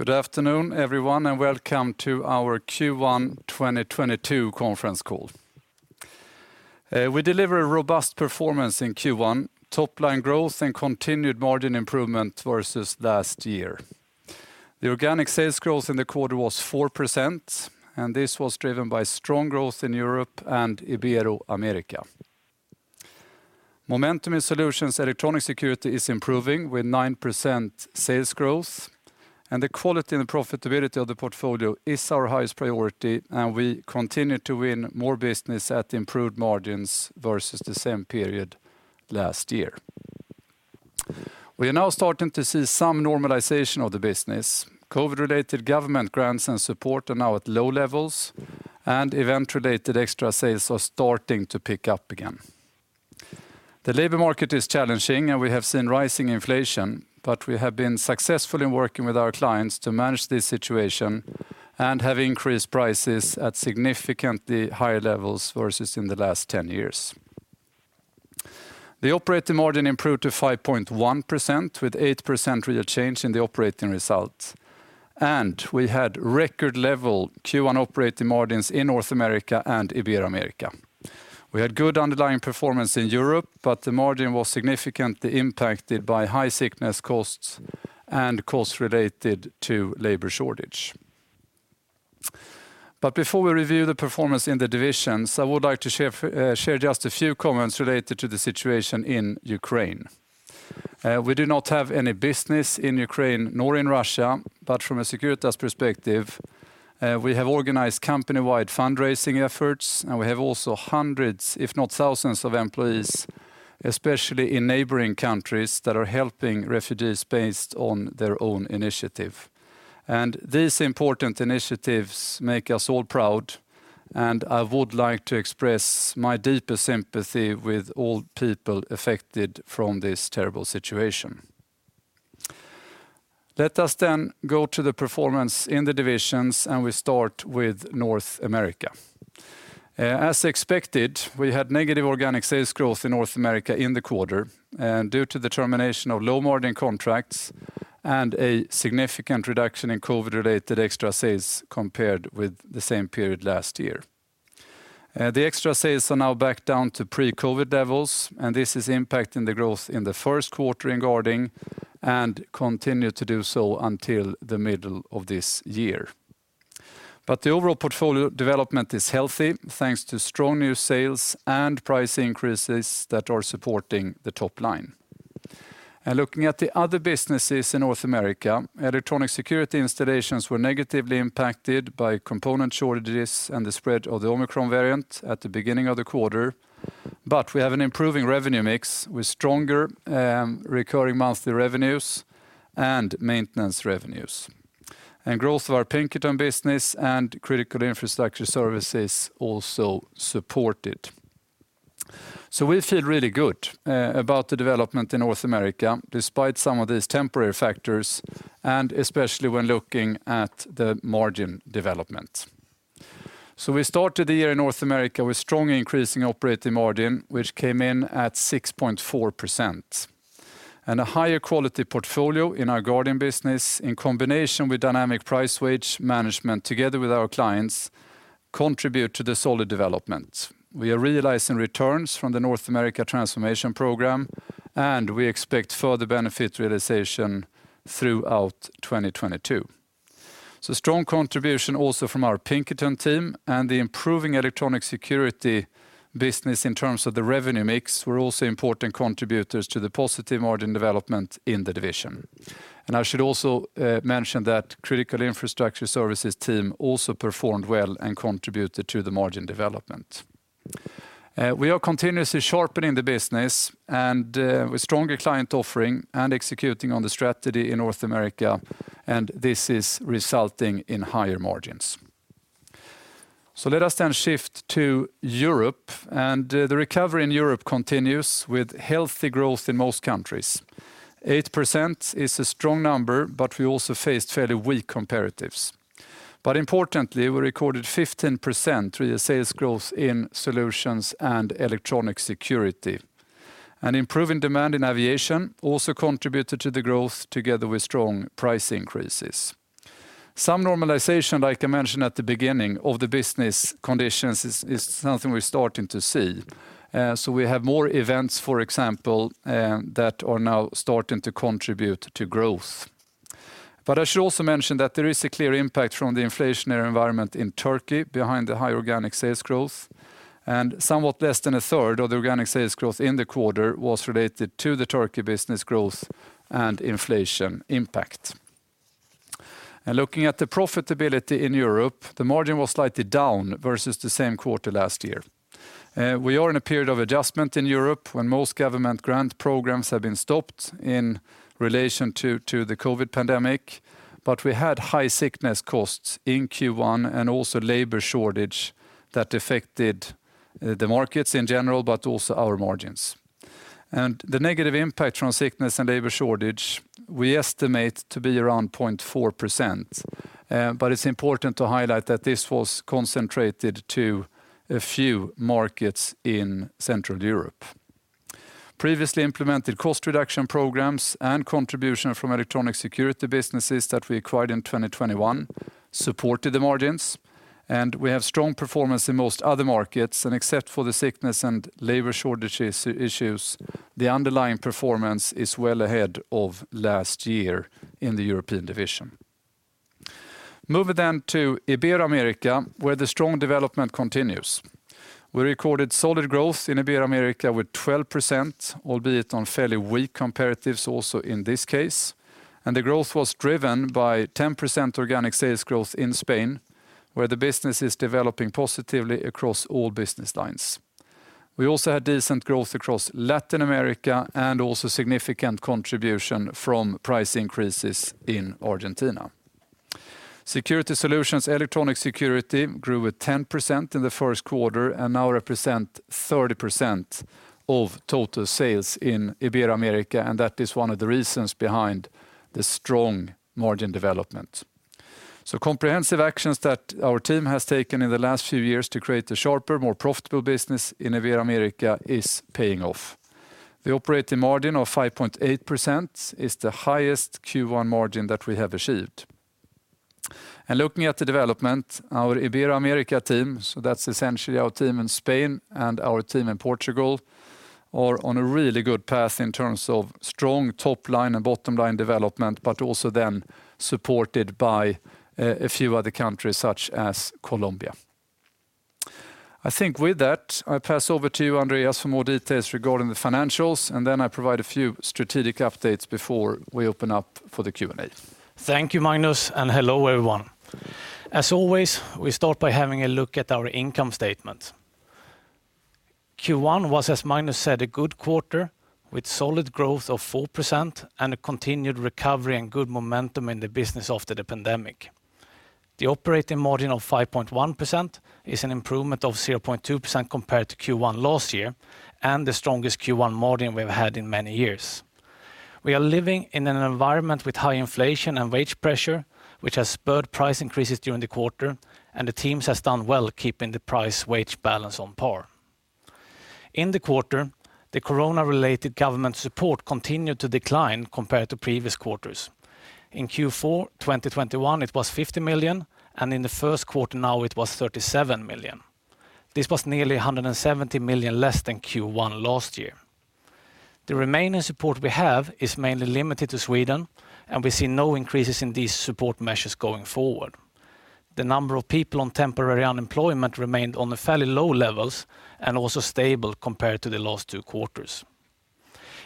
Good afternoon, everyone, and welcome to our Q1 2022 conference call. We delivered a robust performance in Q1, top-line growth and continued margin improvement versus last year. The organic sales growth in the quarter was 4%, and this was driven by strong growth in Europe and Ibero-America. Momentum in electronic security solutions is improving with 9% sales growth, and the quality and the profitability of the portfolio is our highest priority, and we continue to win more business at improved margins versus the same period last year. We are now starting to see some normalization of the business. COVID-related government grants and support are now at low levels, and event-related extra sales are starting to pick up again. The labor market is challenging, and we have seen rising inflation, but we have been successful in working with our clients to manage this situation and have increased prices at significantly higher levels versus in the last 10 years. The operating margin improved to 5.1% with 8% real change in the operating results. We had record level Q1 operating margins in North America and Ibero-America. We had good underlying performance in Europe, but the margin was significantly impacted by high sickness costs and costs related to labor shortage. Before we review the performance in the divisions, I would like to share just a few comments related to the situation in Ukraine. We do not have any business in Ukraine nor in Russia, but from a Securitas perspective, we have organized company-wide fundraising efforts, and we have also hundreds, if not thousands, of employees, especially in neighboring countries, that are helping refugees based on their own initiative. These important initiatives make us all proud, and I would like to express my deepest sympathy with all people affected from this terrible situation. Let us go to the performance in the divisions, and we start with North America. As expected, we had negative organic sales growth in North America in the quarter, and due to the termination of low-margin contracts and a significant reduction in COVID-related extra sales compared with the same period last year. The extra sales are now back down to pre-COVID levels, and this is impacting the growth in the first quarter in guarding and continue to do so until the middle of this year. The overall portfolio development is healthy, thanks to strong new sales and price increases that are supporting the top line. Looking at the other businesses in North America, electronic security installations were negatively impacted by component shortages and the spread of the Omicron variant at the beginning of the quarter. We have an improving revenue mix with stronger recurring monthly revenues and maintenance revenues. Growth of our Pinkerton business and critical infrastructure services also support it. We feel really good about the development in North America, despite some of these temporary factors, and especially when looking at the margin development. We started the year in North America with strong increasing operating margin, which came in at 6.4%. A higher quality portfolio in our guarding business, in combination with dynamic price wage management together with our clients, contribute to the solid development. We are realizing returns from the North America transformation program, and we expect further benefit realization throughout 2022. Strong contribution also from our Pinkerton team and the improving electronic security business in terms of the revenue mix were also important contributors to the positive margin development in the division. I should also mention that Critical Infrastructure Services team also performed well and contributed to the margin development. We are continuously sharpening the business and with stronger client offering and executing on the strategy in North America, and this is resulting in higher margins. Let us then shift to Europe, and the recovery in Europe continues with healthy growth in most countries. 8% is a strong number, but we also faced fairly weak comparatives. Importantly, we recorded 15% real sales growth in solutions and electronic security. An improving demand in aviation also contributed to the growth together with strong price increases. Some normalization, like I mentioned at the beginning, of the business conditions is something we're starting to see. We have more events, for example, that are now starting to contribute to growth. I should also mention that there is a clear impact from the inflationary environment in Turkey behind the high organic sales growth, and somewhat less than a third of the organic sales growth in the quarter was related to the Turkey business growth and inflation impact. Looking at the profitability in Europe, the margin was slightly down versus the same quarter last year. We are in a period of adjustment in Europe when most government grant programs have been stopped in relation to the COVID pandemic, but we had high sickness costs in Q1 and also labor shortage that affected the markets in general, but also our margins. The negative impact from sickness and labor shortage we estimate to be around 0.4%. But it's important to highlight that this was concentrated to a few markets in Central Europe. Previously implemented cost reduction programs and contribution from electronic security businesses that we acquired in 2021 supported the margins, and we have strong performance in most other markets. Except for the sickness and labor shortages issues, the underlying performance is well ahead of last year in the European division. Moving to Ibero-America, where the strong development continues. We recorded solid growth in Ibero-America with 12%, albeit on fairly weak comparatives also in this case. The growth was driven by 10% organic sales growth in Spain, where the business is developing positively across all business lines. We also had decent growth across Latin America and also significant contribution from price increases in Argentina. Security Solutions electronic security grew at 10% in the first quarter and now represent 30% of total sales in Ibero-America, and that is one of the reasons behind the strong margin development. Comprehensive actions that our team has taken in the last few years to create a sharper, more profitable business in Ibero-America is paying off. The operating margin of 5.8% is the highest Q1 margin that we have achieved. Looking at the development, our Ibero-America team, so that's essentially our team in Spain and our team in Portugal, are on a really good path in terms of strong top line and bottom line development, but also then supported by a few other countries such as Colombia. I think with that, I pass over to you, Andreas, for more details regarding the financials, and then I provide a few strategic updates before we open up for the Q&A. Thank you, Magnus, and hello, everyone. As always, we start by having a look at our income statement. Q1 was, as Magnus said, a good quarter with solid growth of 4% and a continued recovery and good momentum in the business after the pandemic. The operating margin of 5.1% is an improvement of 0.2% compared to Q1 last year, and the strongest Q1 margin we've had in many years. We are living in an environment with high inflation and wage pressure, which has spurred price increases during the quarter, and the team has done well keeping the price wage balance on par. In the quarter, the COVID-related government support continued to decline compared to previous quarters. In Q4 2021, it was 50 million, and in the first quarter now it was 37 million. This was nearly 170 million less than Q1 last year. The remaining support we have is mainly limited to Sweden, and we see no increases in these support measures going forward. The number of people on temporary unemployment remained on the fairly low levels and also stable compared to the last two quarters.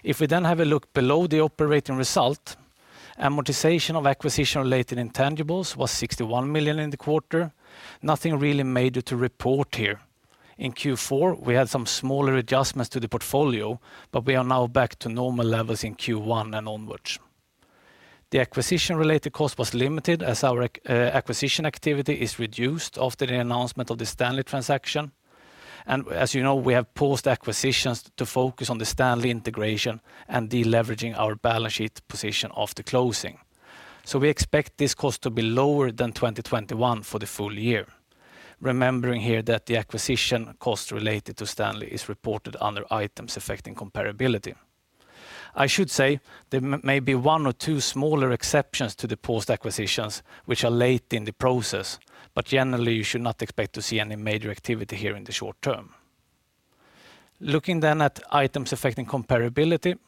If we then have a look below the operating result, amortization of acquisition-related intangibles was 61 million in the quarter. Nothing really made it to report here. In Q4, we had some smaller adjustments to the portfolio, but we are now back to normal levels in Q1 and onwards. The acquisition-related cost was limited as our acquisition activity is reduced after the announcement of the Stanley transaction. As you know, we have paused acquisitions to focus on the Stanley integration and deleveraging our balance sheet position after closing. We expect this cost to be lower than 2021 for the full year. Remembering here that the acquisition cost related to Stanley is reported under items affecting comparability. I should say there may be one or two smaller exceptions to the paused acquisitions which are late in the process, but generally, you should not expect to see any major activity here in the short term. Looking then at items affecting comparability.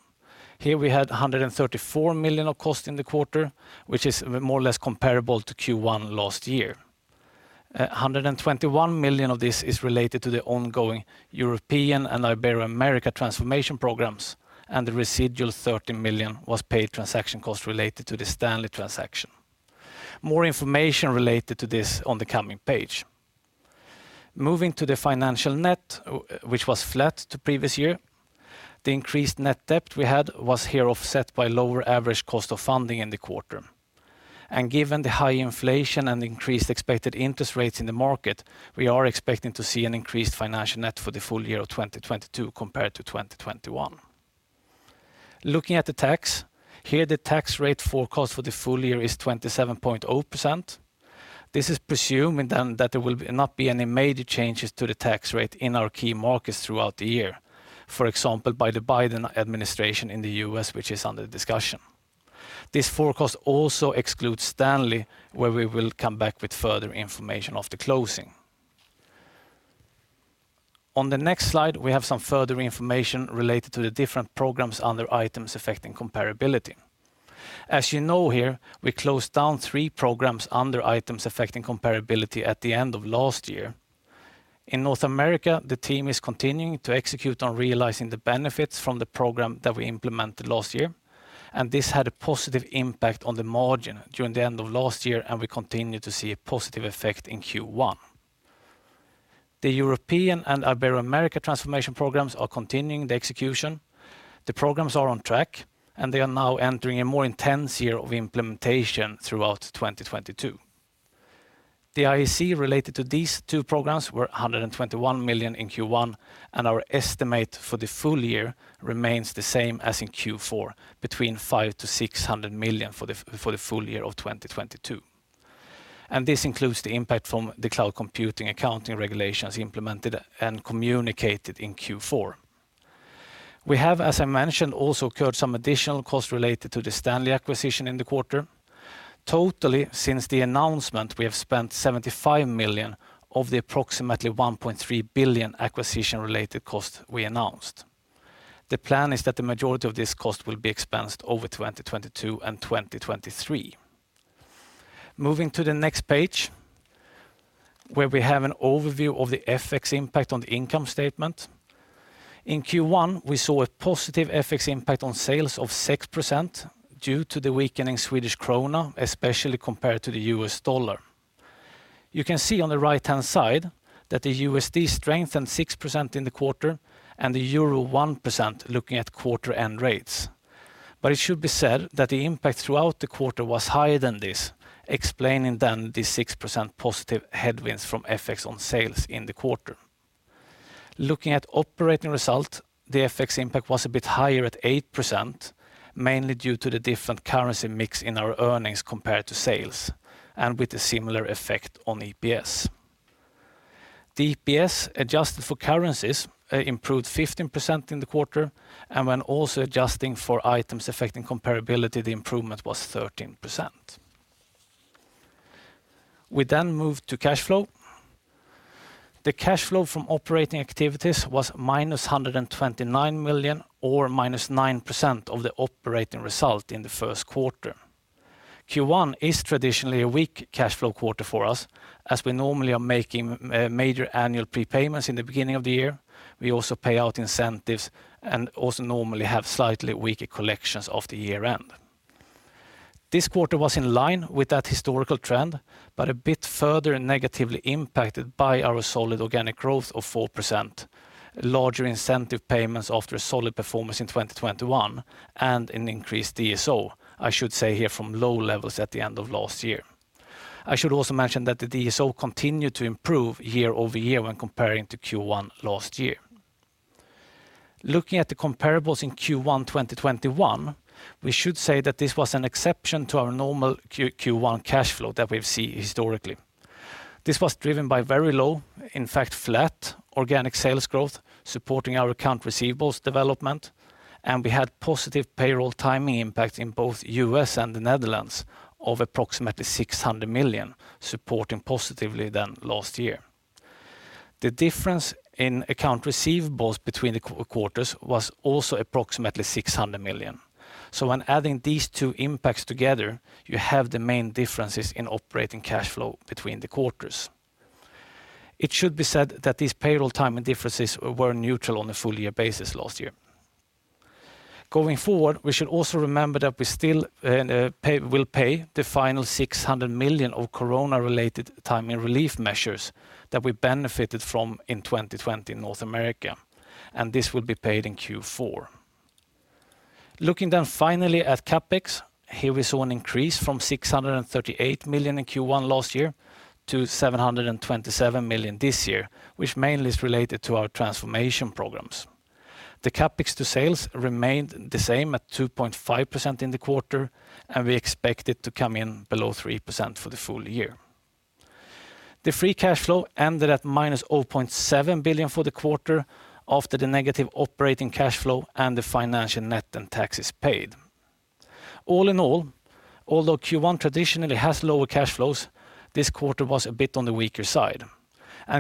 Here we had 134 million of cost in the quarter, which is more or less comparable to Q1 last year. 121 million of this is related to the ongoing European and Ibero-America transformation programs, and the residual 30 million was paid transaction costs related to the Stanley transaction. More information related to this on the coming page. Moving to the financial net, which was flat to previous year. The increased net debt we had was here offset by lower average cost of funding in the quarter. Given the high inflation and increased expected interest rates in the market, we are expecting to see an increased financial net for the full year of 2022 compared to 2021. Looking at the tax, here the tax rate forecast for the full year is 27.0%. This is presuming then that there will not be any major changes to the tax rate in our key markets throughout the year. For example, by the Biden administration in the U.S., which is under discussion. This forecast also excludes Stanley, where we will come back with further information after closing. On the next slide, we have some further information related to the different programs under items affecting comparability. As you know here, we closed down three programs under items affecting comparability at the end of last year. In North America, the team is continuing to execute on realizing the benefits from the program that we implemented last year, and this had a positive impact on the margin during the end of last year, and we continue to see a positive effect in Q1. The European and Ibero-America transformation programs are continuing the execution. The programs are on track, and they are now entering a more intense year of implementation throughout 2022. The IAC related to these two programs were 121 million in Q1, and our estimate for the full year remains the same as in Q4, between 500 million-600 million for the full year of 2022. This includes the impact from the cloud computing accounting regulations implemented and communicated in Q4. We have, as I mentioned, also incurred some additional costs related to the Stanley acquisition in the quarter. Total, since the announcement, we have spent 75 million of the approximately 1.3 billion acquisition-related costs we announced. The plan is that the majority of this cost will be expensed over 2022 and 2023. Moving to the next page, where we have an overview of the FX impact on the income statement. In Q1, we saw a positive FX impact on sales of 6% due to the weakening SEK, especially compared to the US dollar. You can see on the right-hand side that the USD strengthened 6% in the quarter and the euro 1% looking at quarter end rates. It should be said that the impact throughout the quarter was higher than this, explaining then the 6% positive headwinds from FX on sales in the quarter. Looking at operating results, the FX impact was a bit higher at 8%, mainly due to the different currency mix in our earnings compared to sales and with a similar effect on EPS. The EPS, adjusted for currencies, improved 15% in the quarter, and when also adjusting for items affecting comparability, the improvement was 13%. We move to cash flow. The cash flow from operating activities was -129 million, or -9% of the operating result in the first quarter. Q1 is traditionally a weak cash flow quarter for us, as we normally are making major annual prepayments in the beginning of the year. We also pay out incentives and also normally have slightly weaker collections at the year-end. This quarter was in line with that historical trend, but a bit further negatively impacted by our solid organic growth of 4%, larger incentive payments after a solid performance in 2021, and an increased DSO, I should say here, from low levels at the end of last year. I should also mention that the DSO continued to improve year-over-year when comparing to Q1 last year. Looking at the comparables in Q1 2021, we should say that this was an exception to our normal Q1 cash flow that we've seen historically. This was driven by very low, in fact, flat organic sales growth, supporting our account receivables development. We had positive payroll timing impact in both U.S. and the Netherlands of approximately 600 million, supporting positively than last year. The difference in account receivables between the quarters was also approximately 600 million. When adding these two impacts together, you have the main differences in operating cash flow between the quarters. It should be said that these payroll timing differences were neutral on a full year basis last year. Going forward, we should also remember that we still will pay the final 600 million of corona-related timing relief measures that we benefited from in 2020 in North America, and this will be paid in Q4. Looking then finally at CapEx, here we saw an increase from 638 million in Q1 last year to 727 million this year, which mainly is related to our transformation programs. The CapEx to sales remained the same at 2.5% in the quarter, and we expect it to come in below 3% for the full year. The Free Cash Flow ended at -0.7 billion for the quarter after the negative operating cash flow and the financial net and taxes paid. All in all, although Q1 traditionally has lower cash flows, this quarter was a bit on the weaker side.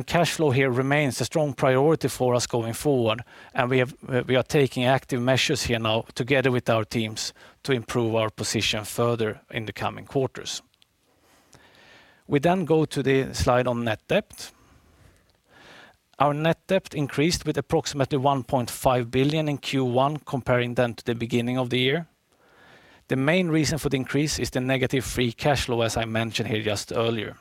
Cash flow here remains a strong priority for us going forward, and we are taking active measures here now together with our teams to improve our position further in the coming quarters. We go to the slide on net debt. Our net debt increased with approximately 1.5 billion in Q1, comparing then to the beginning of the year. The main reason for the increase is the negative Free Cash Flow, as I mentioned here just earlier.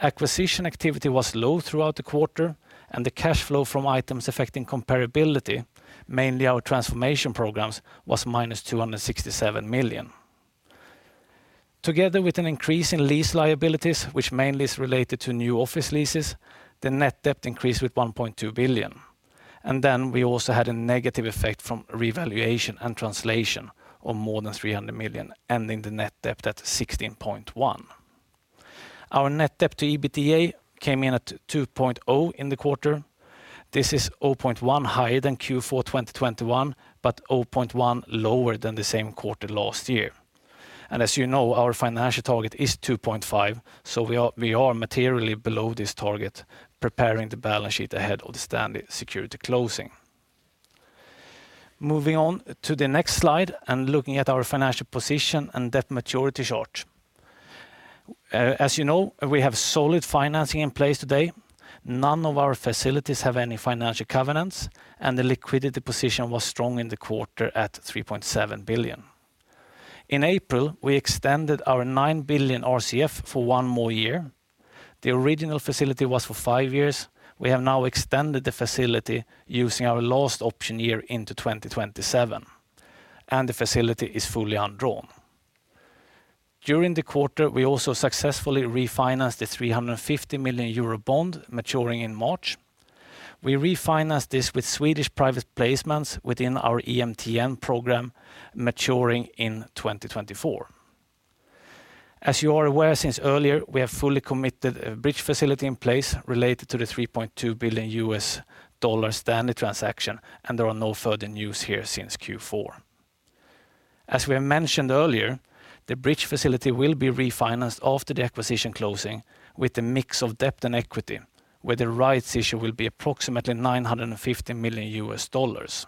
Acquisition activity was low throughout the quarter, and the cash flow from items affecting comparability, mainly our transformation programs, was -267 million. Together with an increase in lease liabilities, which mainly is related to new office leases, the net debt increased with 1.2 billion. Then we also had a negative effect from revaluation and translation of more than 300 million, ending the net debt at 16.1. Our net debt to EBITDA came in at 2.0 in the quarter. This is 0.1 higher than Q4 2021, but 0.1 lower than the same quarter last year. As you know, our financial target is 2.5, so we are materially below this target, preparing the balance sheet ahead of the Stanley Security closing. Moving on to the next slide and looking at our financial position and debt maturity chart. As you know, we have solid financing in place today. None of our facilities have any financial covenants, and the liquidity position was strong in the quarter at 3.7 billion. In April, we extended our 9 billion RCF for one more year. The original facility was for five years. We have now extended the facility using our last option year into 2027, and the facility is fully undrawn. During the quarter, we also successfully refinanced the 350 million euro bond maturing in March. We refinance this with Swedish private placements within our EMTN program maturing in 2024. As you are aware since earlier, we have fully committed a bridge facility in place related to the $3.2 billion Stanley transaction, and there are no further news here since Q4. As we have mentioned earlier, the bridge facility will be refinanced after the acquisition closing with a mix of debt and equity, where the rights issue will be approximately $950 million. The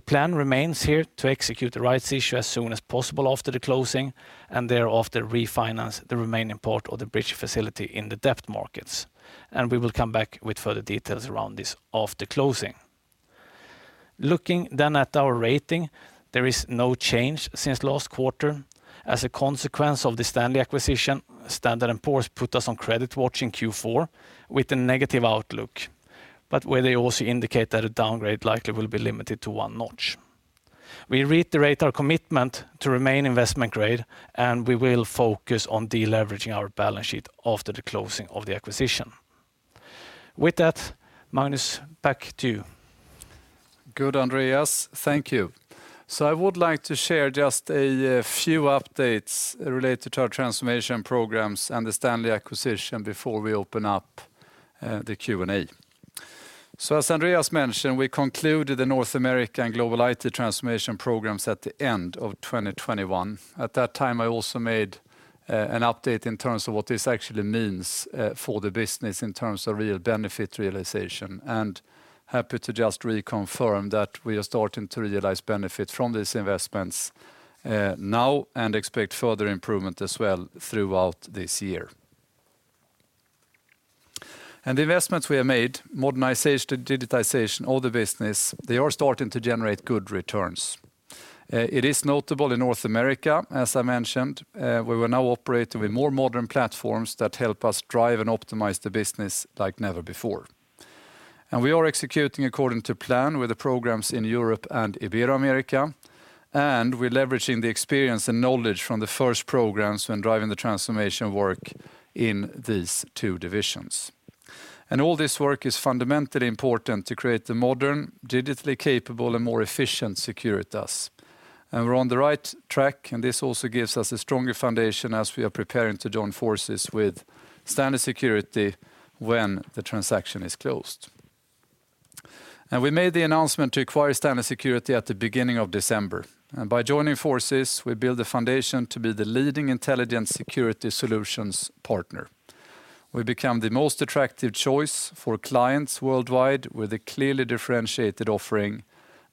plan remains here to execute the rights issue as soon as possible after the closing and thereafter refinance the remaining part of the bridge facility in the debt markets. We will come back with further details around this after closing. Looking at our rating, there is no change since last quarter. As a consequence of the Stanley acquisition, Standard & Poor's put us on credit watch in Q4 with a negative outlook, but where they also indicate that a downgrade likely will be limited to one notch. We reiterate our commitment to remain investment grade, and we will focus on deleveraging our balance sheet after the closing of the acquisition. With that, Magnus, back to you. Good, Andreas. Thank you. I would like to share just a few updates related to our transformation programs and the Stanley acquisition before we open up the Q&A. As Andreas mentioned, we concluded the North American Global IT transformation programs at the end of 2021. At that time, I also made an update in terms of what this actually means for the business in terms of real benefit realization. Happy to just reconfirm that we are starting to realize benefits from these investments now and expect further improvement as well throughout this year. The investments we have made, modernization, digitization of the business, they are starting to generate good returns. It is notable in North America, as I mentioned, we will now operate with more modern platforms that help us drive and optimize the business like never before. We are executing according to plan with the programs in Europe and Ibero-America, and we're leveraging the experience and knowledge from the first programs when driving the transformation work in these two divisions. All this work is fundamentally important to create a modern, digitally capable, and more efficient Securitas. We're on the right track, and this also gives us a stronger foundation as we are preparing to join forces with Stanley Security when the transaction is closed. We made the announcement to acquire Stanley Security at the beginning of December. By joining forces, we build the foundation to be the leading intelligent security solutions partner. We become the most attractive choice for clients worldwide with a clearly differentiated offering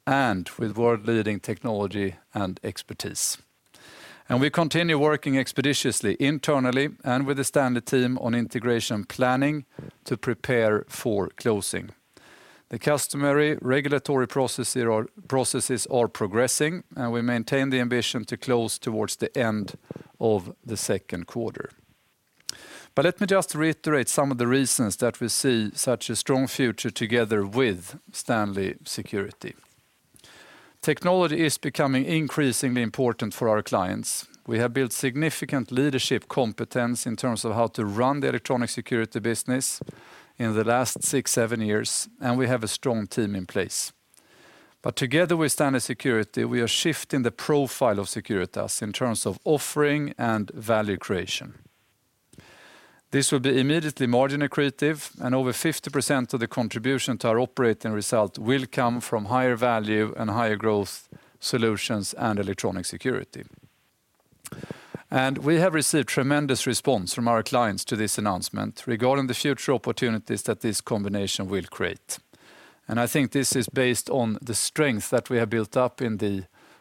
and with world-leading technology and expertise. We continue working expeditiously internally and with the Stanley team on integration planning to prepare for closing. The customary regulatory processes are progressing, and we maintain the ambition to close towards the end of the second quarter. Let me just reiterate some of the reasons that we see such a strong future together with Stanley Security. Technology is becoming increasingly important for our clients. We have built significant leadership competence in terms of how to run the electronic security business in the last six, seven years, and we have a strong team in place. Together with Stanley Security, we are shifting the profile of Securitas in terms of offering and value creation. This will be immediately margin accretive, and over 50% of the contribution to our operating result will come from higher value and higher growth solutions and electronic security. We have received tremendous response from our clients to this announcement regarding the future opportunities that this combination will create. I think this is based on the strength that we have built up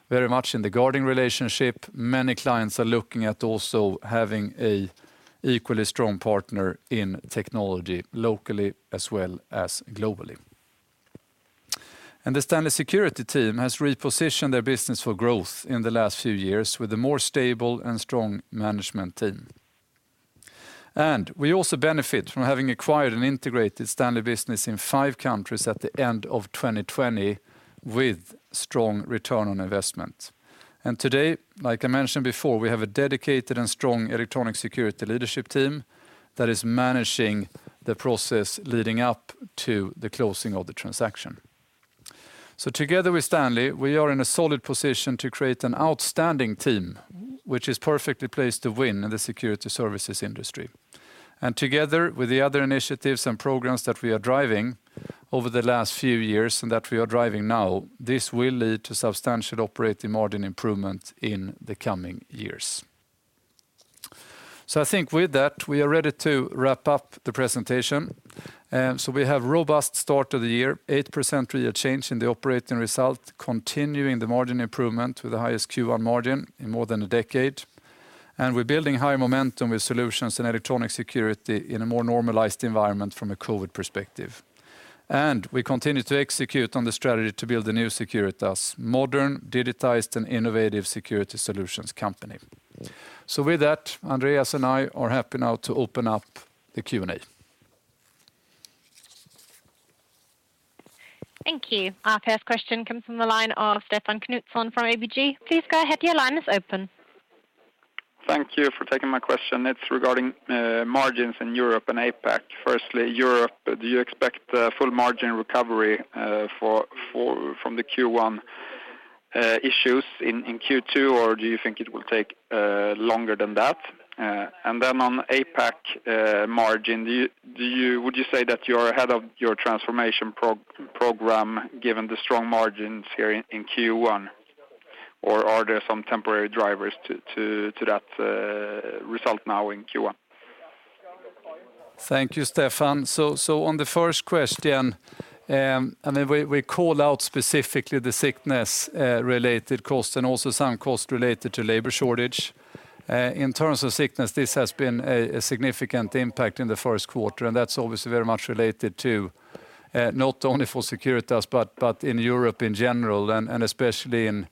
very much in the guarding relationship. Many clients are looking at also having an equally strong partner in technology locally as well as globally. The Stanley Security team has repositioned their business for growth in the last few years with a more stable and strong management team. We also benefit from having acquired and integrated Stanley business in five countries at the end of 2020 with strong return on investment. Today, like I mentioned before, we have a dedicated and strong electronic security leadership team that is managing the process leading up to the closing of the transaction. Together with Stanley, we are in a solid position to create an outstanding team which is perfectly placed to win in the security services industry. Together with the other initiatives and programs that we are driving over the last few years and that we are driving now, this will lead to substantial operating margin improvement in the coming years. I think with that, we are ready to wrap up the presentation. We have robust start of the year, 8% real change in the operating result, continuing the margin improvement with the highest Q1 margin in more than a decade. We're building high momentum with solutions in electronic security in a more normalized environment from a COVID perspective. We continue to execute on the strategy to build the new Securitas, modern, digitized, and innovative security solutions company. With that, Andreas and I are happy now to open up the Q&A. Thank you. Our first question comes from the line of Stefan Knutsson from ABG. Please go ahead, your line is open. Thank you for taking my question. It's regarding margins in Europe and APAC. Firstly, Europe, do you expect full margin recovery from the Q1 issues in Q2 or do you think it will take longer than that? On APAC margin, would you say that you're ahead of your transformation program given the strong margins here in Q1? Or are there some temporary drivers to that result now in Q1? Thank you, Stefan. On the first question, I mean, we call out specifically the sickness related cost and also some costs related to labor shortage. In terms of sickness, this has been a significant impact in the first quarter, and that's obviously very much related to not only for Securitas but in Europe in general and especially in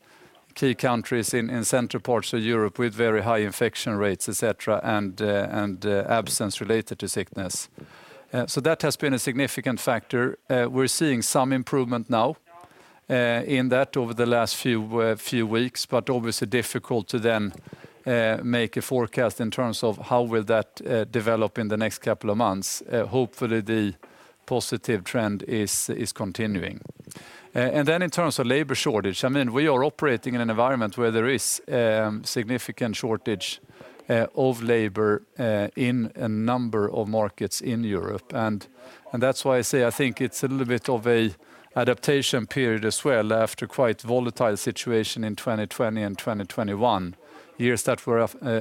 key countries in central parts of Europe with very high infection rates, et cetera, and absence related to sickness. That has been a significant factor. We're seeing some improvement now in that over the last few weeks. Obviously difficult to then make a forecast in terms of how will that develop in the next couple of months. Hopefully the positive trend is continuing. In terms of labor shortage, I mean, we are operating in an environment where there is significant shortage of labor in a number of markets in Europe. That's why I say I think it's a little bit of an adaptation period as well after quite volatile situation in 2020 and 2021. Years that were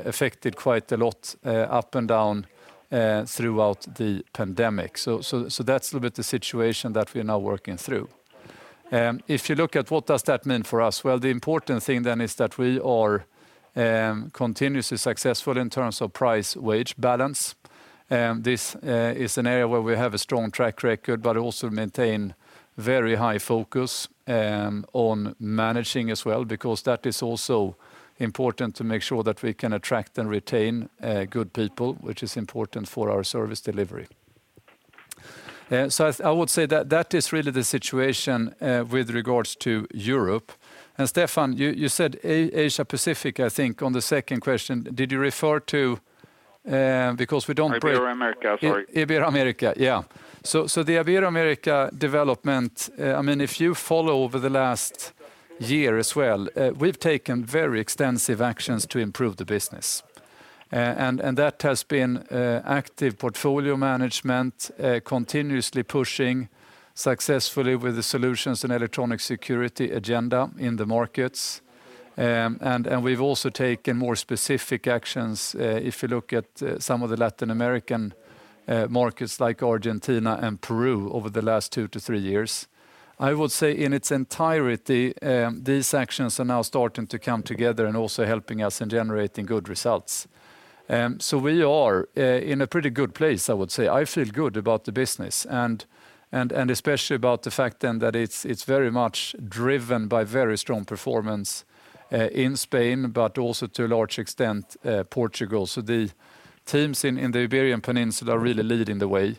affected quite a lot up and down throughout the pandemic. That's a little bit the situation that we're now working through. If you look at what does that mean for us, well, the important thing then is that we are continuously successful in terms of price-wage balance. This is an area where we have a strong track record but also maintain very high focus on managing as well because that is also important to make sure that we can attract and retain good people, which is important for our service delivery. I would say that is really the situation with regards to Europe. Stefan, you said Asia Pacific, I think, on the second question. Did you refer to because we don't break- Ibero-America, sorry. Ibero-America, yeah. The Ibero-America development, I mean, if you follow over the last year as well, we've taken very extensive actions to improve the business. That has been active portfolio management, continuously pushing successfully with the solutions and electronic security agenda in the markets. We've also taken more specific actions, if you look at some of the Latin American markets like Argentina and Peru over the last 2-3 years. I would say in its entirety, these actions are now starting to come together and also helping us in generating good results. We are in a pretty good place, I would say. I feel good about the business and especially about the fact that it's very much driven by very strong performance in Spain, but also to a large extent Portugal. The teams in the Iberian Peninsula are really leading the way.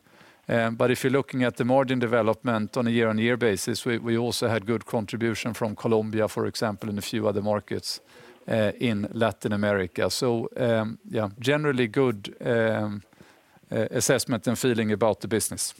If you're looking at the margin development on a year-over-year basis, we also had good contribution from Colombia, for example, and a few other markets in Latin America. Yeah, generally good assessment and feeling about the business.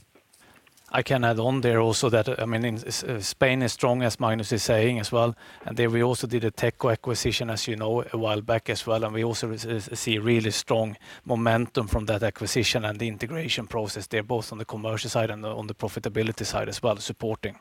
I can add on there also that, I mean, in Spain is strong as Magnus is saying as well. Then we also did a Techco acquisition, as you know, a while back as well, and we also see really strong momentum from that acquisition and the integration process there, both on the commercial side and on the profitability side as well, supporting.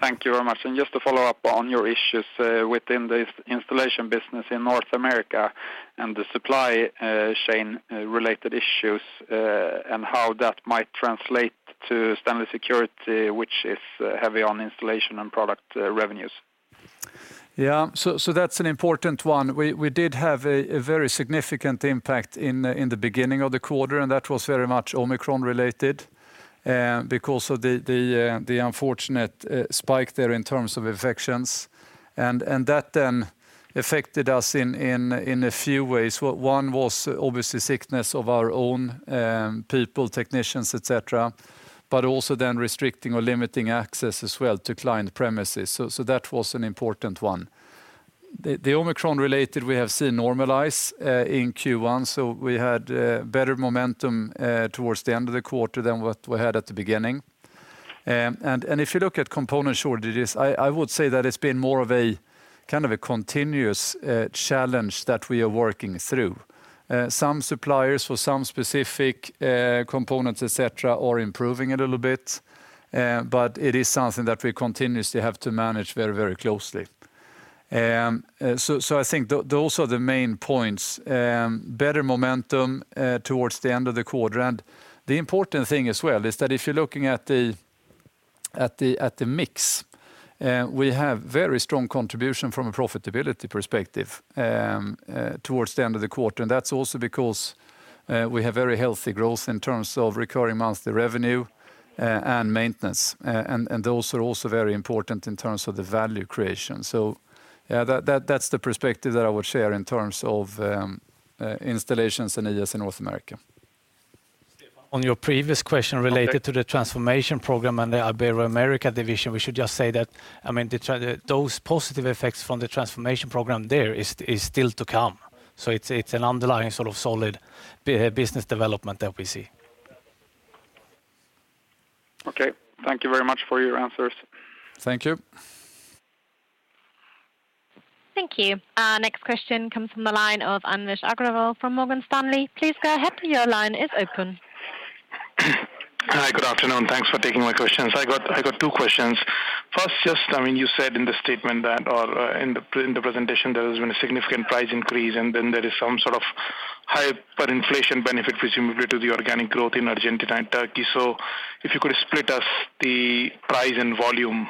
Thank you very much. Just to follow up on your issues within the installation business in North America and the supply chain related issues, and how that might translate to Stanley Security, which is heavy on installation and product revenues. Yeah. That's an important one. We did have a very significant impact in the beginning of the quarter, and that was very much Omicron-related because of the unfortunate spike there in terms of infections. That then affected us in a few ways. One was obviously sickness of our own people, technicians, et cetera. Also then restricting or limiting access as well to client premises. That was an important one. The Omicron-related we have seen normalize in Q1, so we had better momentum towards the end of the quarter than what we had at the beginning. If you look at component shortages, I would say that it's been more of a kind of a continuous challenge that we are working through. Some suppliers for some specific components, et cetera, are improving a little bit. It is something that we continuously have to manage very closely. I think those are the main points. Better momentum towards the end of the quarter. The important thing as well is that if you're looking at the mix, we have very strong contribution from a profitability perspective towards the end of the quarter. That's also because we have very healthy growth in terms of recurring monthly revenue and maintenance. Those are also very important in terms of the value creation. That's the perspective that I would share in terms of installations and ES in North America. On your previous question related- Okay. To the transformation program and the Ibero-America division, we should just say that, I mean, those positive effects from the transformation program there is still to come. It's an underlying sort of solid business development that we see. Okay. Thank you very much for your answers. Thank you. Thank you. Our next question comes from the line of Anvesh Agrawal from Morgan Stanley. Please go ahead. Your line is open. Hi, good afternoon. Thanks for taking my questions. I got two questions. First, I mean, you said in the presentation there has been a significant price increase, and then there is some sort of hyperinflation benefit presumably to the organic growth in Argentina and Turkey. So if you could split out the price and volume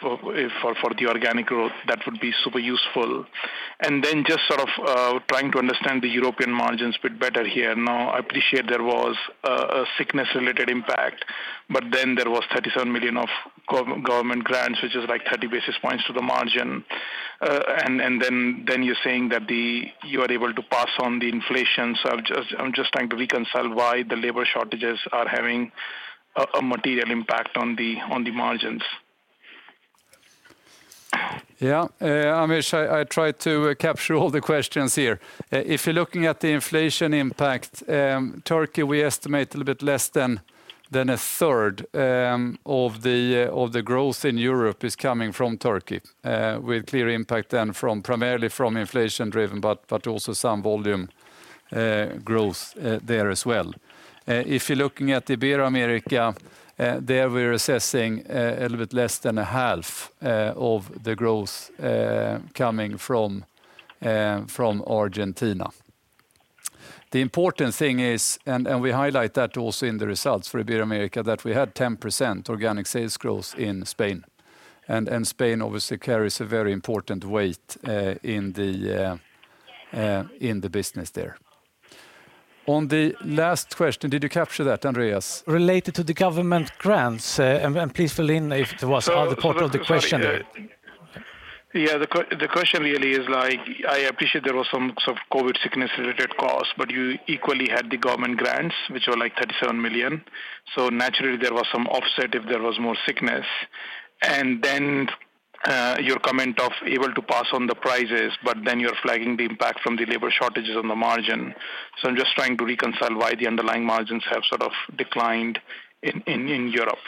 for the organic growth, that would be super useful. Trying to understand the European margins a bit better here. Now, I appreciate there was a sickness-related impact, but there was 37 million of government grants, which is like 30 basis points to the margin. You're saying that you are able to pass on the inflation. I'm just trying to reconcile why the labor shortages are having a material impact on the margins. Yeah, Anvesh, I tried to capture all the questions here. If you're looking at the inflation impact, Turkey, we estimate a little bit less than a third of the growth in Europe is coming from Turkey, with clear impact then from primarily inflation driven, but also some volume growth there as well. If you're looking at Ibero-America, there we're assessing a little bit less than a half of the growth coming from Argentina. The important thing is, we highlight that also in the results for Ibero-America, that we had 10% organic sales growth in Spain. Spain obviously carries a very important weight in the business there. On the last question, did you capture that, Andreas? Related to the government grants, and please fill in if there was other part of the question there. Yeah, the question really is like, I appreciate there was some sort of COVID sickness related costs, but you equally had the government grants, which were like 37 million. Naturally there was some offset if there was more sickness. Your comment of able to pass on the prices, but then you're flagging the impact from the labor shortages on the margin. I'm just trying to reconcile why the underlying margins have sort of declined in Europe.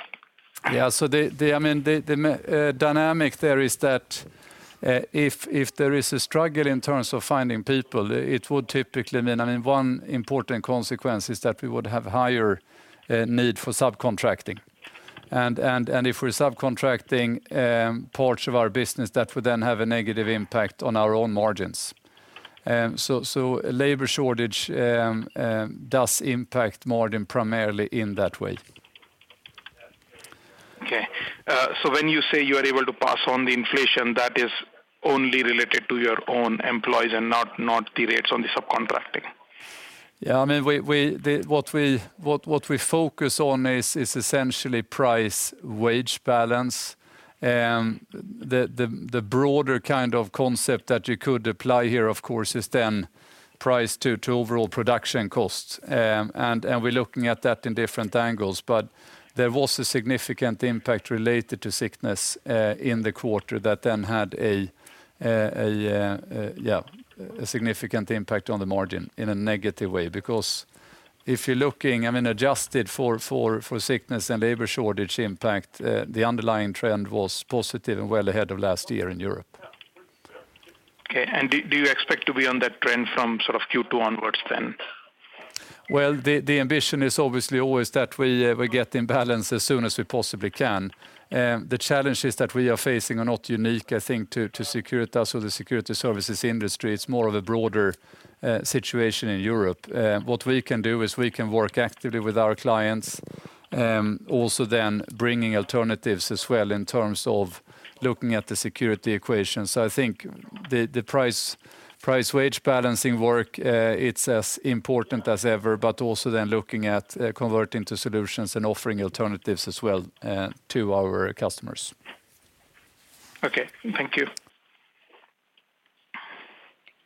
Yeah. I mean, the dynamic there is that if there is a struggle in terms of finding people, it would typically mean, I mean, one important consequence is that we would have higher need for subcontracting. If we're subcontracting parts of our business, that would then have a negative impact on our own margins. Labor shortage does impact margin primarily in that way. Okay. When you say you are able to pass on the inflation, that is only related to your own employees and not the rates on the subcontracting? Yeah. I mean, what we focus on is essentially price wage balance. The broader kind of concept that you could apply here, of course, is then price to overall production costs. We're looking at that in different angles. There was a significant impact related to sickness in the quarter that then had a significant impact on the margin in a negative way. Because if you're looking, I mean, adjusted for sickness and labor shortage impact, the underlying trend was positive and well ahead of last year in Europe. Okay. Do you expect to be on that trend from sort of Q2 onwards then? Well, the ambition is obviously always that we get in balance as soon as we possibly can. The challenges that we are facing are not unique, I think to Securitas or the security services industry. It's more of a broader situation in Europe. What we can do is we can work actively with our clients, also then bringing alternatives as well in terms of looking at the security equation. I think the price wage balancing work, it's as important as ever, but also then looking at converting to solutions and offering alternatives as well to our customers. Okay. Thank you.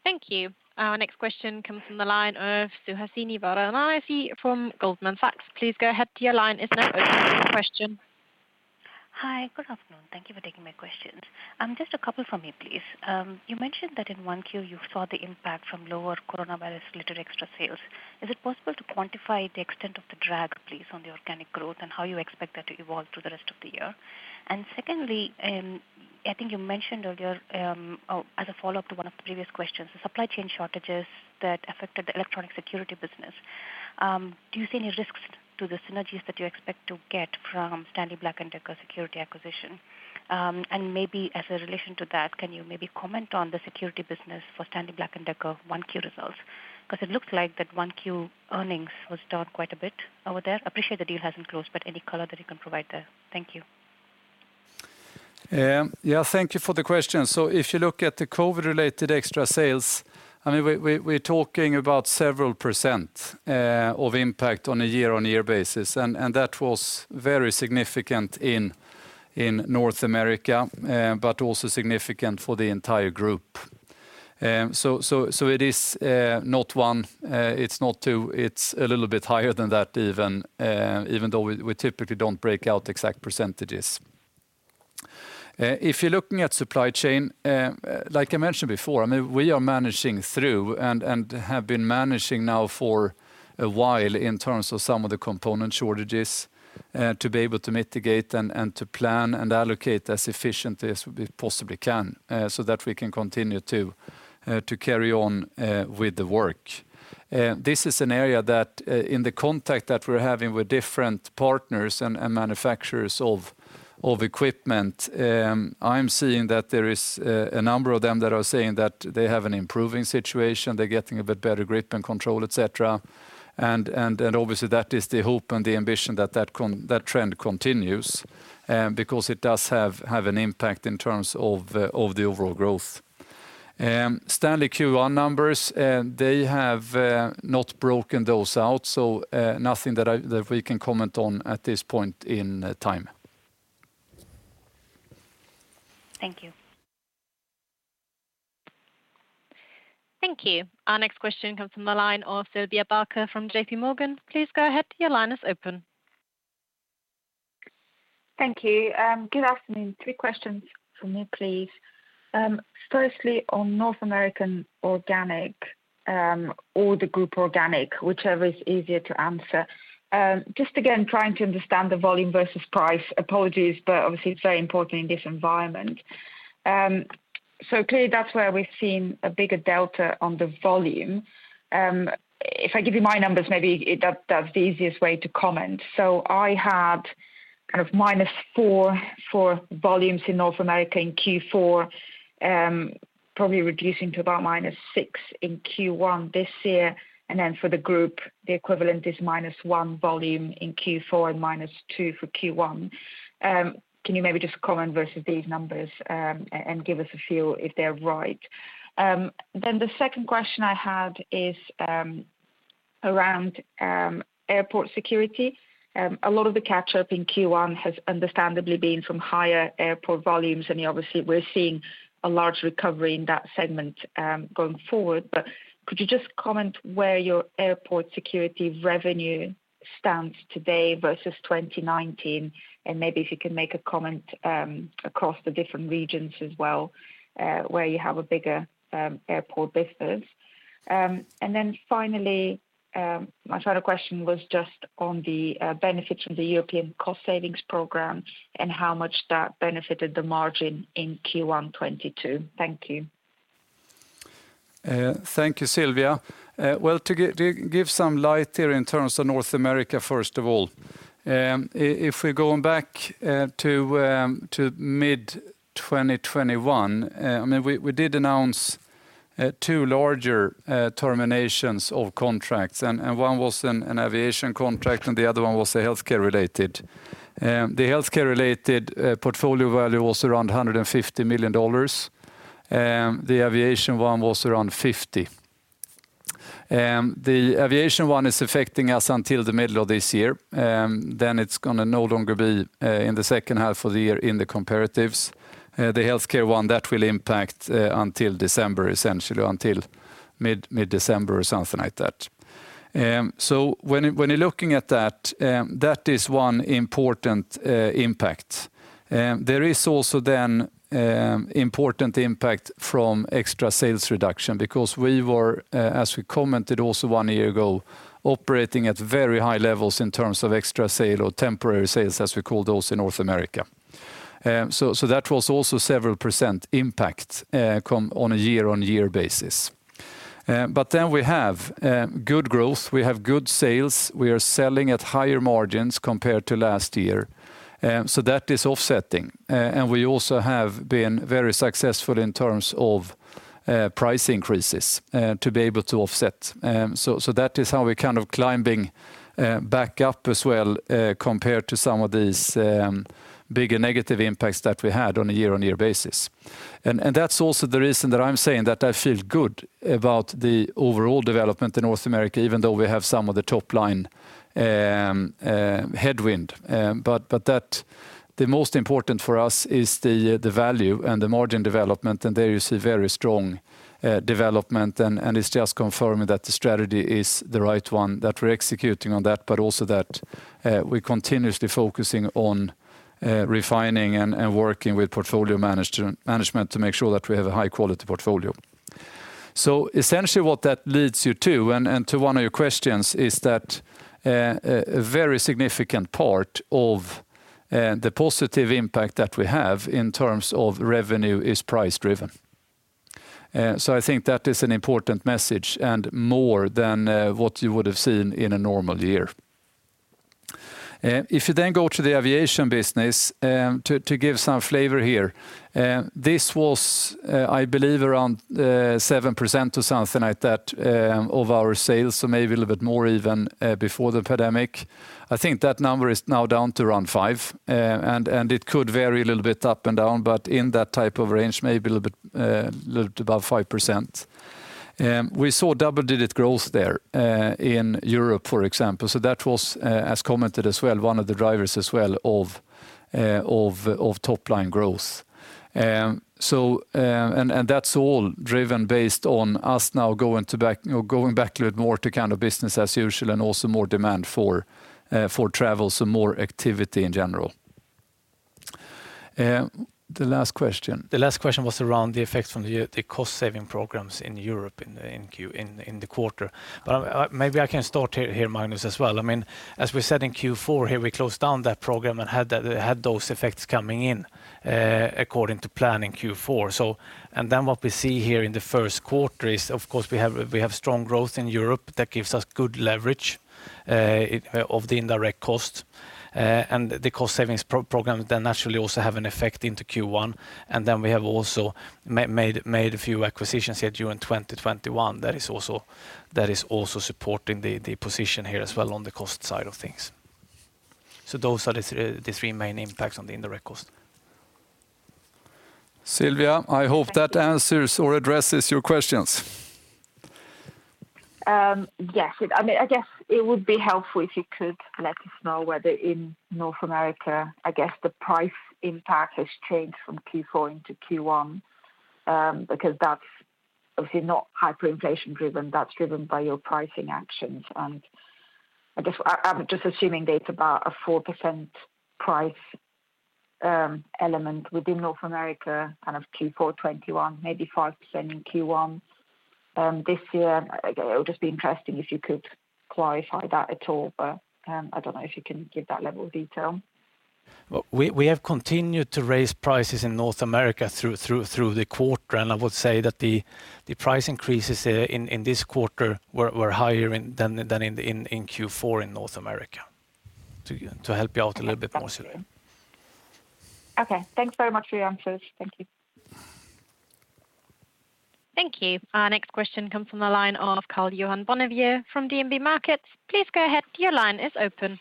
Thank you. Our next question comes from the line of Suhasini Varanasi from Goldman Sachs. Please go ahead. Your line is now open for your question. Hi, good afternoon. Thank you for taking my questions. Just a couple from me, please. You mentioned that in Q1, you saw the impact from lower coronavirus related extra sales. Is it possible to quantify the extent of the drag, please, on the organic growth and how you expect that to evolve through the rest of the year? Secondly, I think you mentioned earlier, as a follow-up to one of the previous questions, the supply chain shortages that affected the electronic security business. Do you see any risks to the synergies that you expect to get from the Stanley Security acquisition? And maybe in relation to that, can you maybe comment on the security business for Stanley Black & Decker Q1 results? 'Cause it looked like that Q1 earnings was down quite a bit over there. Appreciate the deal hasn't closed, but any color that you can provide there? Thank you. Yeah, thank you for the question. So if you look at the COVID-related extra sales, I mean, we're talking about several percent of impact on a year-on-year basis. And that was very significant in North America, but also significant for the entire group. So it is not one, it's not two, it's a little bit higher than that even though we typically don't break out exact percentages. If you're looking at supply chain, like I mentioned before, I mean, we are managing through and have been managing now for a while in terms of some of the component shortages, to be able to mitigate and to plan and allocate as efficiently as we possibly can, so that we can continue to carry on with the work. This is an area that, in the context that we're having with different partners and manufacturers of equipment, I'm seeing that there is a number of them that are saying that they have an improving situation. They're getting a bit better grip and control, et cetera. Obviously that is the hope and the ambition that trend continues because it does have an impact in terms of the overall growth. Stanley Q1 numbers they have not broken those out so nothing that we can comment on at this point in time. Thank you. Thank you. Our next question comes from the line of Sylvia Barker from J.P. Morgan. Please go ahead. Your line is open. Thank you. Good afternoon. Three questions from me, please. Firstly, on North American organic, or the group organic, whichever is easier to answer. Just again, trying to understand the volume versus price. Apologies, but obviously it's very important in this environment. So clearly that's where we've seen a bigger delta on the volume. If I give you my numbers, maybe that's the easiest way to comment. So I had kind of -4% for volumes in North America in Q4, probably reducing to about -6% in Q1 this year. And then for the group, the equivalent is -1% volume in Q4 and -2% for Q1. Can you maybe just comment versus these numbers, and give us a feel if they're right? Then the second question I had is around airport security. A lot of the catch-up in Q1 has understandably been from higher airport volumes, and obviously we're seeing a large recovery in that segment, going forward. Could you just comment where your airport security revenue stands today versus 2019? Maybe if you can make a comment across the different regions as well, where you have a bigger airport business. Finally, my final question was just on the benefits of the European cost savings program and how much that benefited the margin in Q1 2022. Thank you. Thank you, Sylvia. Well, to give some light here in terms of North America, first of all. If we're going back to mid-2021, I mean, we did announce two larger terminations of contracts, and one was an aviation contract and the other one was a healthcare-related. The healthcare-related portfolio value was around $150 million. The aviation one was around $50 million. The aviation one is affecting us until the middle of this year. It's gonna no longer be in the second half of the year in the comparatives. The healthcare one, that will impact until December, essentially, until mid-December or something like that. When you're looking at that is one important impact. There is also important impact from extra sales reduction because we were, as we commented also one year ago, operating at very high levels in terms of extra sale or temporary sales, as we call those in North America. That was also several percent impact on a year-on-year basis. We have good growth. We have good sales. We are selling at higher margins compared to last year. That is offsetting. We also have been very successful in terms of price increases to be able to offset. That is how we're kind of climbing back up as well compared to some of these bigger negative impacts that we had on a year-on-year basis. That's also the reason that I'm saying that I feel good about the overall development in North America, even though we have some of the top line headwind. That's the most important for us is the value and the margin development, and there you see very strong development. It's just confirming that the strategy is the right one, that we're executing on that, but also that we're continuously focusing on refining and working with portfolio management to make sure that we have a high quality portfolio. Essentially what that leads you to one of your questions, is that a very significant part of the positive impact that we have in terms of revenue is price driven. I think that is an important message and more than what you would have seen in a normal year. If you then go to the aviation business, to give some flavor here, this was, I believe, around 7% or something like that of our sales, so maybe a little bit more even before the pandemic. I think that number is now down to around five It could vary a little bit up and down, but in that type of range, maybe a little bit little above 5%. We saw double-digit growth there in Europe, for example. That was, as commented as well, one of the drivers as well of top line growth. That's all driven based on us now going back a little more to kind of business as usual and also more demand for travel, so more activity in general. The last question. The last question was around the effects from the cost-saving programs in Europe in the quarter. Maybe I can start here, Magnus, as well. I mean, as we said in Q4 here, we closed down that program and had those effects coming in according to plan in Q4. What we see here in the first quarter is, of course, we have strong growth in Europe that gives us good leverage of the indirect cost, and the cost savings program then naturally also have an effect into Q1. We have also made a few acquisitions here during 2021 that is also supporting the position here as well on the cost side of things. Those are the three main impacts on the indirect cost. Sylvia, I hope that answers or addresses your questions. Yes. I mean, I guess it would be helpful if you could let us know whether in North America, I guess the price impact has changed from Q4 into Q1, because that's obviously not hyperinflation driven, that's driven by your pricing actions. I guess I'm just assuming that it's about a 4% price element within North America, kind of Q4 2021, maybe 5% in Q1 this year. It would just be interesting if you could clarify that at all, but I don't know if you can give that level of detail. Well, we have continued to raise prices in North America through the quarter. I would say that the price increases in this quarter were higher than in Q4 in North America, to help you out a little bit more, Sylvia. Okay. Thanks very much for your answers. Thank you. Thank you. Our next question comes from the line of Karl-Johan Bonnevier from DNB Markets. Please go ahead. Your line is open.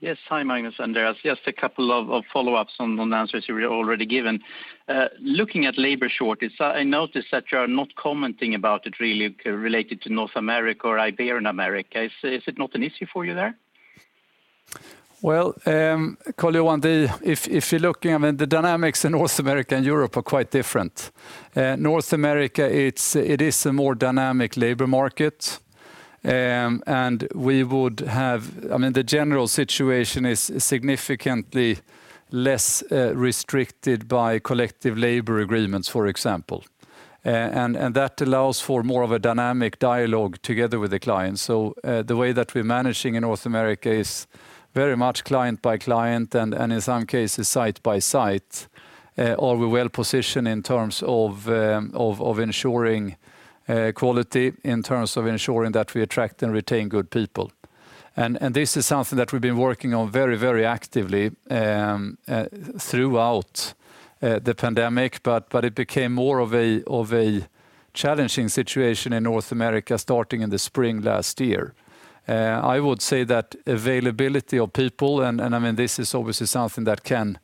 Yes. Hi, Magnus and Andreas. Just a couple of follow-ups on the answers you've already given. Looking at labor shortage, I notice that you are not commenting about it really related to North America or Ibero-America. Is it not an issue for you there? Well, Karl-Johan, if you're looking, I mean, the dynamics in North America and Europe are quite different. North America, it is a more dynamic labor market. I mean, the general situation is significantly less restricted by collective labor agreements, for example. That allows for more of a dynamic dialogue together with the client. The way that we're managing in North America is very much client by client and in some cases, site by site. Are we well-positioned in terms of ensuring quality, in terms of ensuring that we attract and retain good people? This is something that we've been working on very actively throughout the pandemic, but it became more of a challenging situation in North America starting in the spring last year. I would say that availability of people, and I mean, this is obviously something that can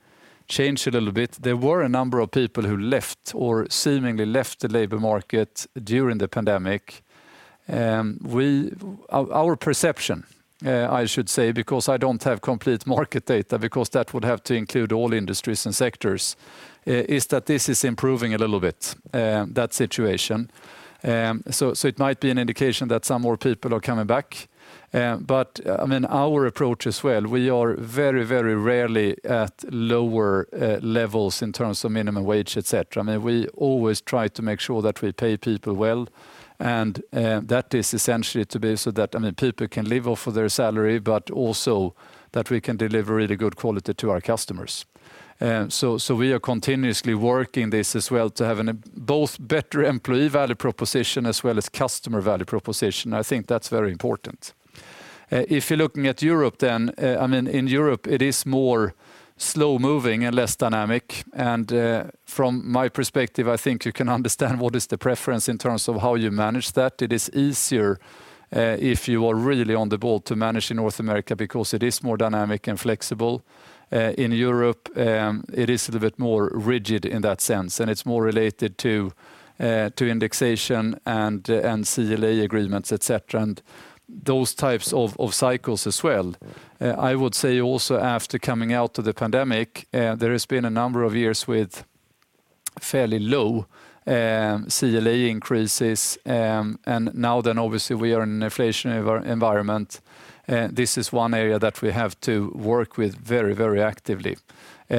change a little bit. There were a number of people who left or seemingly left the labor market during the pandemic. Our perception, I should say, because I don't have complete market data, because that would have to include all industries and sectors, is that this is improving a little bit, that situation. So it might be an indication that some more people are coming back. I mean, our approach as well, we are very, very rarely at lower levels in terms of minimum wage, et cetera. I mean, we always try to make sure that we pay people well, and that is essentially to be so that, I mean, people can live off of their salary, but also that we can deliver really good quality to our customers. We are continuously working this as well to have both better employee value proposition as well as customer value proposition. I think that's very important. If you're looking at Europe then, I mean, in Europe, it is more slow-moving and less dynamic. From my perspective, I think you can understand what is the preference in terms of how you manage that. It is easier, if you are really on the ball to manage in North America because it is more dynamic and flexible. In Europe, it is a little bit more rigid in that sense, and it's more related to indexation and CLA agreements, et cetera, and those types of cycles as well. I would say also after coming out of the pandemic, there has been a number of years with fairly low CLA increases, and now then obviously we are in an inflation environment. This is one area that we have to work with very, very actively.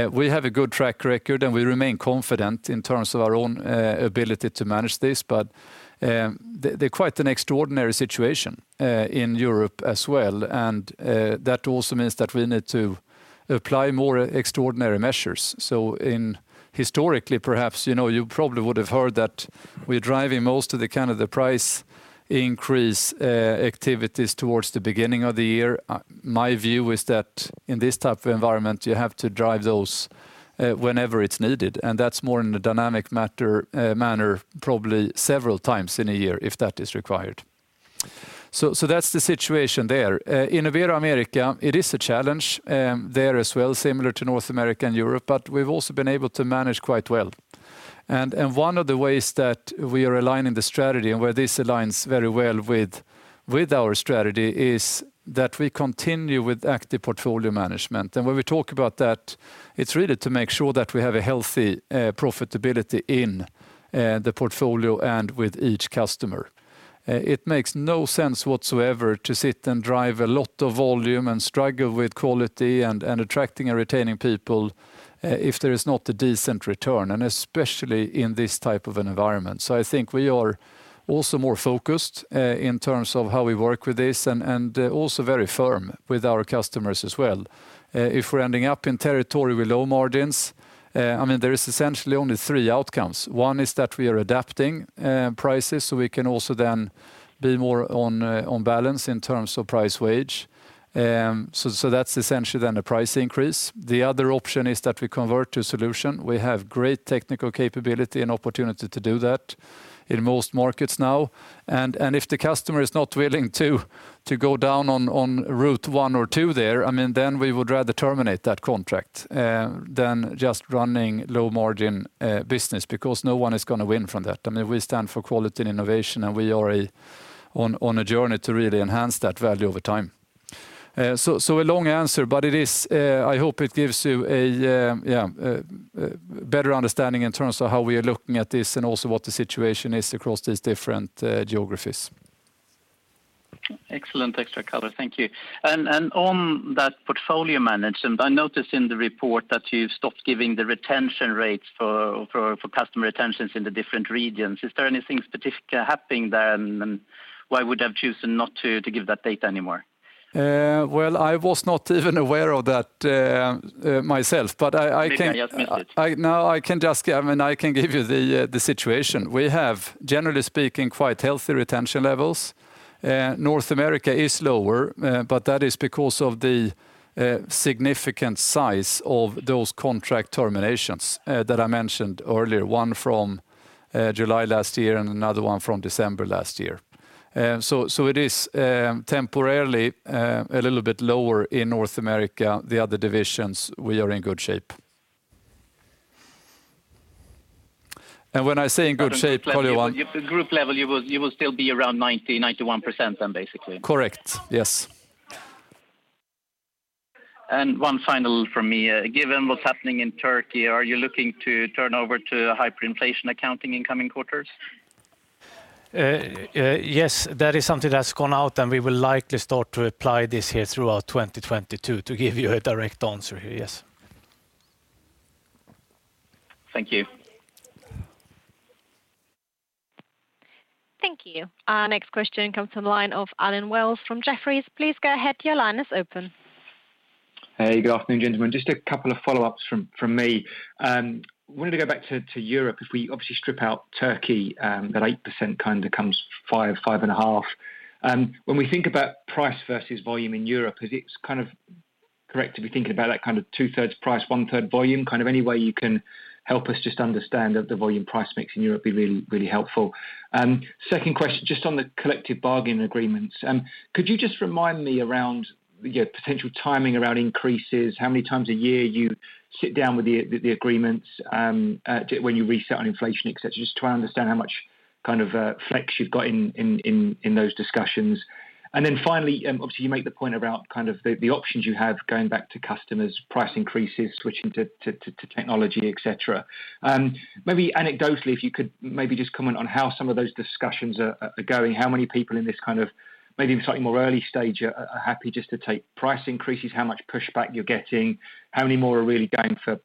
We have a good track record and we remain confident in terms of our own ability to manage this, but, they're quite an extraordinary situation, in Europe as well. That also means that we need to apply more extraordinary measures. Historically, perhaps, you know, you probably would have heard that we're driving most of the kind of the price increase activities towards the beginning of the year. My view is that in this type of environment, you have to drive those, whenever it's needed. That's more in a dynamic manner, probably several times in a year if that is required. So that's the situation there. In Ibero-America, it is a challenge, there as well, similar to North America and Europe, but we've also been able to manage quite well. One of the ways that we are aligning the strategy and where this aligns very well with our strategy is that we continue with active portfolio management. When we talk about that, it's really to make sure that we have a healthy profitability in the portfolio and with each customer. It makes no sense whatsoever to sit and drive a lot of volume and struggle with quality and attracting and retaining people, if there is not a decent return, and especially in this type of an environment. I think we are also more focused in terms of how we work with this and also very firm with our customers as well. If we're ending up in territory with low margins, I mean, there is essentially only three outcomes. One is that we are adapting prices, so we can also then be more on balance in terms of price-wage. So that's essentially then a price increase. The other option is that we convert to solution. We have great technical capability and opportunity to do that in most markets now. If the customer is not willing to go down route one or two there, I mean, then we would rather terminate that contract than just running low-margin business because no one is gonna win from that. I mean, we stand for quality and innovation, and we are on a journey to really enhance that value over time. A long answer, but I hope it gives you a better understanding in terms of how we are looking at this and also what the situation is across these different geographies. Excellent. Thanks for color. Thank you. On that portfolio management, I noticed in the report that you've stopped giving the retention rates for customer retentions in the different regions. Is there anything specific happening there, and why would have chosen not to give that data anymore? Well, I was not even aware of that myself, but I can. Maybe I just missed it. No, I mean, I can give you the situation. We have, generally speaking, quite healthy retention levels. North America is lower, but that is because of the significant size of those contract terminations that I mentioned earlier, one from July last year and another one from December last year. So it is temporarily a little bit lower in North America. The other divisions, we are in good shape. When I say in good shape, Polly, one- At group level, you will still be around 90%-91% then, basically? Correct. Yes. One final from me. Given what's happening in Turkey, are you looking to turn over to hyperinflation accounting in coming quarters? Yes. That is something that's gone out, and we will likely start to apply this here throughout 2022, to give you a direct answer here. Yes. Thank you. Thank you. Our next question comes from the line of Allen Wells from Jefferies. Please go ahead. Your line is open. Hey. Good afternoon, gentlemen. Just a couple of follow-ups from me. Wanted to go back to Europe. If we obviously strip out Turkey, that 8% kind of comes 5%-5.5%. When we think about price versus volume in Europe, is it kind of correct to be thinking about, like, kind of 2/3 price, 1/3 volume? Any way you can help us just understand the volume price mix in Europe would be really helpful. Second question, just on the collective bargaining agreements. Could you just remind me around your potential timing around increases, how many times a year you sit down with the agreements, when you reset on inflation, etc., just to try and understand how much kind of flex you've got in those discussions. Finally, obviously you make the point about kind of the options you have going back to customers, price increases, switching to technology, et cetera. Maybe anecdotally, if you could maybe just comment on how some of those discussions are going, how many people in this kind of maybe slightly more early stage are happy just to take price increases? How much pushback you're getting? How many more are really going for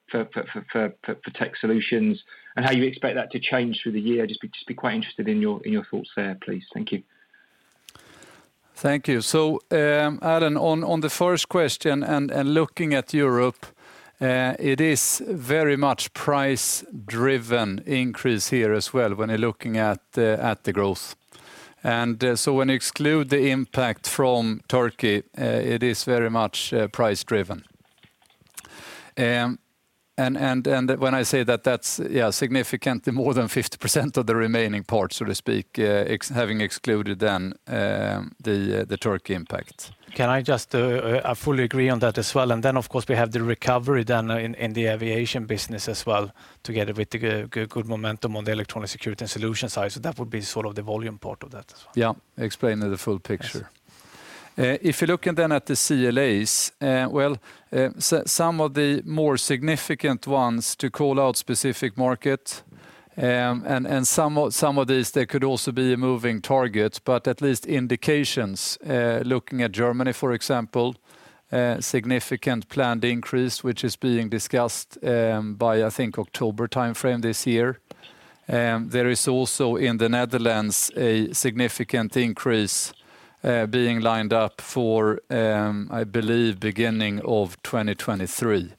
tech solutions? And how you expect that to change through the year? I'd just be quite interested in your thoughts there, please. Thank you. Thank you. Allen, on the first question and looking at Europe, it is very much price-driven increase here as well when you're looking at the growth. When you exclude the impact from Turkey, it is very much price driven. When I say that that's significantly more than 50% of the remaining part, so to speak, having excluded the Turkey impact. Can I just, I fully agree on that as well. Of course, we have the recovery then in the aviation business as well, together with the good momentum on the electronic security and solution side. That would be sort of the volume part of that as well. Yeah. Explaining the full picture. Yes. If you're looking then at the CLAs, well, some of the more significant ones to call out specific market, and some of these, they could also be moving targets, but at least indications, looking at Germany, for example, a significant planned increase, which is being discussed by, I think, October timeframe this year. There is also, in the Netherlands, a significant increase being lined up for, I believe, beginning of 2023.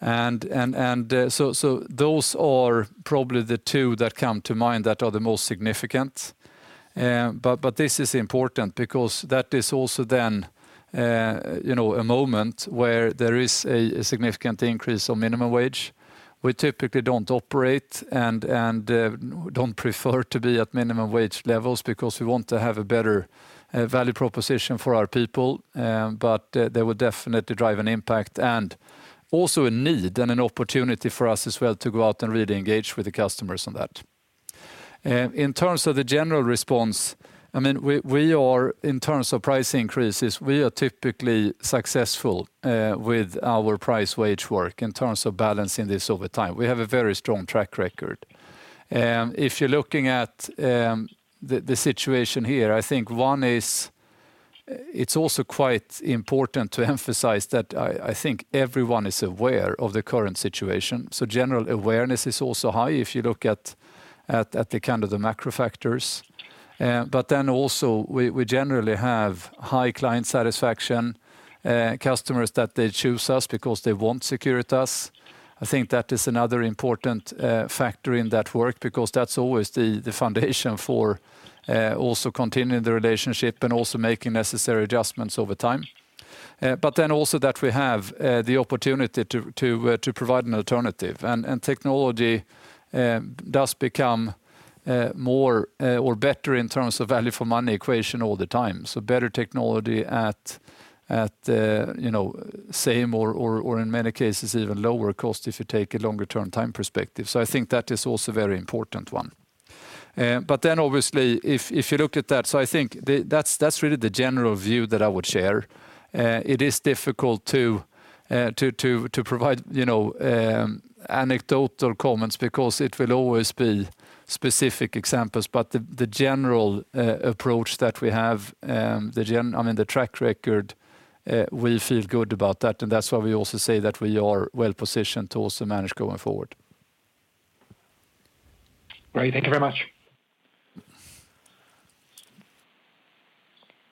So those are probably the two that come to mind that are the most significant. But this is important because that is also then a moment where there is a significant increase on minimum wage. We typically don't operate and don't prefer to be at minimum wage levels because we want to have a better value proposition for our people. They will definitely drive an impact and also a need and an opportunity for us as well to go out and really engage with the customers on that. In terms of the general response, I mean, we are in terms of price increases, we are typically successful with our price/wage work in terms of balancing this over time. We have a very strong track record. If you're looking at the situation here, I think one is it's also quite important to emphasize that I think everyone is aware of the current situation. General awareness is also high if you look at the kind of macro factors. We generally have high client satisfaction, customers that they choose us because they want Securitas. I think that is another important factor in that work because that's always the foundation for also continuing the relationship and also making necessary adjustments over time. That we have the opportunity to provide an alternative. Technology does become more or better in terms of value for money equation all the time. Better technology at you know same or in many cases even lower cost if you take a longer term time perspective. I think that is also very important one. Obviously if you look at that. I think that's really the general view that I would share. It is difficult to provide, you know, anecdotal comments because it will always be specific examples. The general approach that we have, I mean, the track record, we feel good about that. That's why we also say that we are well positioned to also manage going forward. Great. Thank you very much.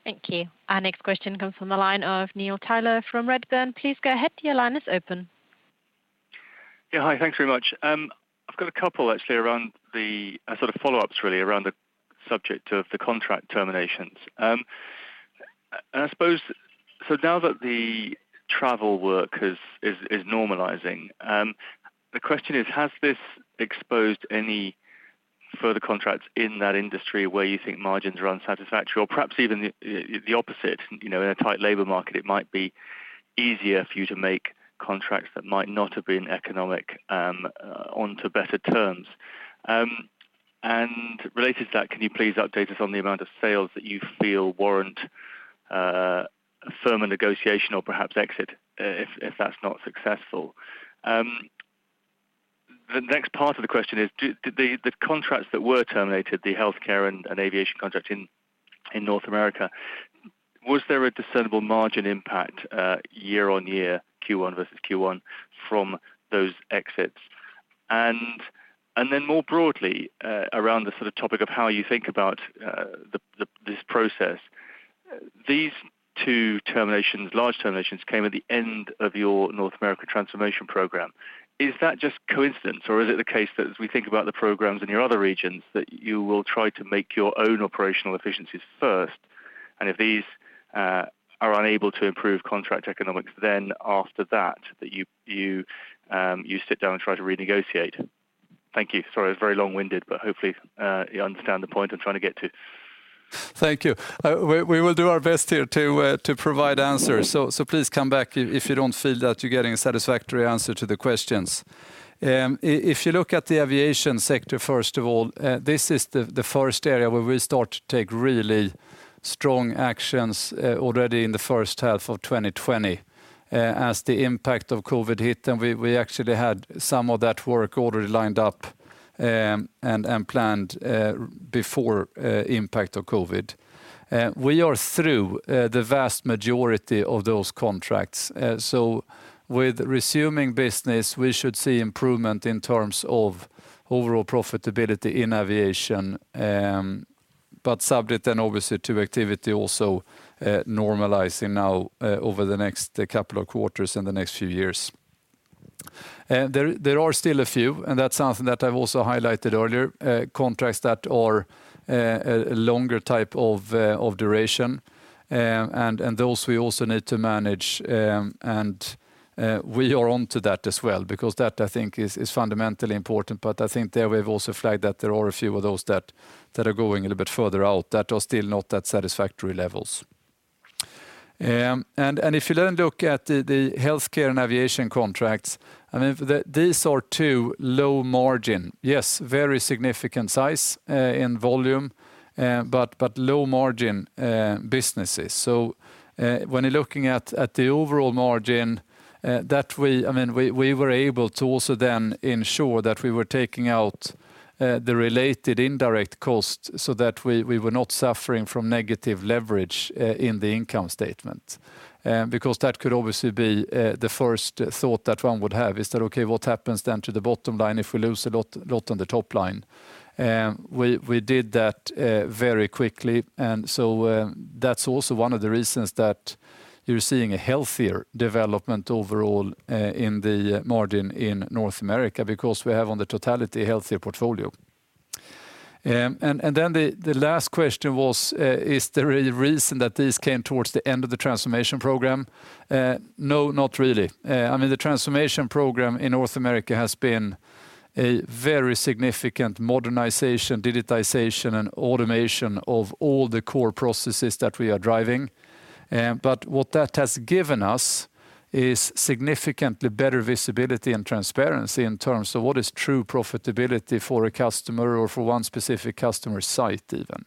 Thank you. Our next question comes from the line of Neil Tyler from Redburn. Please go ahead. Your line is open. Yeah. Hi. Thanks very much. I've got a couple actually around the sort of follow-ups really around the subject of the contract terminations. I suppose so now that the travel work is normalizing, the question is, has this exposed any further contracts in that industry where you think margins are unsatisfactory or perhaps even the opposite, you know, in a tight labor market, it might be easier for you to make contracts that might not have been economic onto better terms. Related to that, can you please update us on the amount of sales that you feel warrant a firm negotiation or perhaps exit if that's not successful? The next part of the question is do the contracts that were terminated, the healthcare and aviation contract in North America, was there a discernible margin impact year-on-year Q1 versus Q1 from those exits? Then more broadly, around the sort of topic of how you think about this process. These two terminations, large terminations came at the end of your North America transformation program. Is that just coincidence or is it the case that as we think about the programs in your other regions, that you will try to make your own operational efficiencies first, and if these are unable to improve contract economics, then after that you sit down and try to renegotiate? Thank you. Sorry, I was very long-winded, but hopefully, you understand the point I'm trying to get to. Thank you. We will do our best here to provide answers. Please come back if you don't feel that you're getting a satisfactory answer to the questions. If you look at the aviation sector, first of all, this is the first area where we start to take really strong actions, already in the first half of 2020, as the impact of COVID hit. We actually had some of that work already lined up and planned before impact of COVID. We are through the vast majority of those contracts. With resuming business, we should see improvement in terms of overall profitability in aviation, but subject then obviously to activity also normalizing now over the next couple of quarters in the next few years. There are still a few contracts that are a longer type of duration, and that's something that I've also highlighted earlier. Those we also need to manage, and we are onto that as well because that I think is fundamentally important. I think there we've also flagged that there are a few of those that are going a little bit further out that are still not at satisfactory levels. If you then look at the healthcare and aviation contracts, I mean, these are two low margin. Yes, very significant size in volume, but low margin businesses. When you're looking at the overall margin that we I mean we were able to also then ensure that we were taking out the related indirect costs so that we were not suffering from negative leverage in the income statement. Because that could obviously be the first thought that one would have is that, okay, what happens then to the bottom line if we lose a lot on the top line? We did that very quickly. That's also one of the reasons that you're seeing a healthier development overall in the margin in North America because we have on the totality healthier portfolio. Then the last question was, is there a reason that this came towards the end of the transformation program? No, not really. I mean, the transformation program in North America has been a very significant modernization, digitization, and automation of all the core processes that we are driving. But what that has given us is significantly better visibility and transparency in terms of what is true profitability for a customer or for one specific customer site even.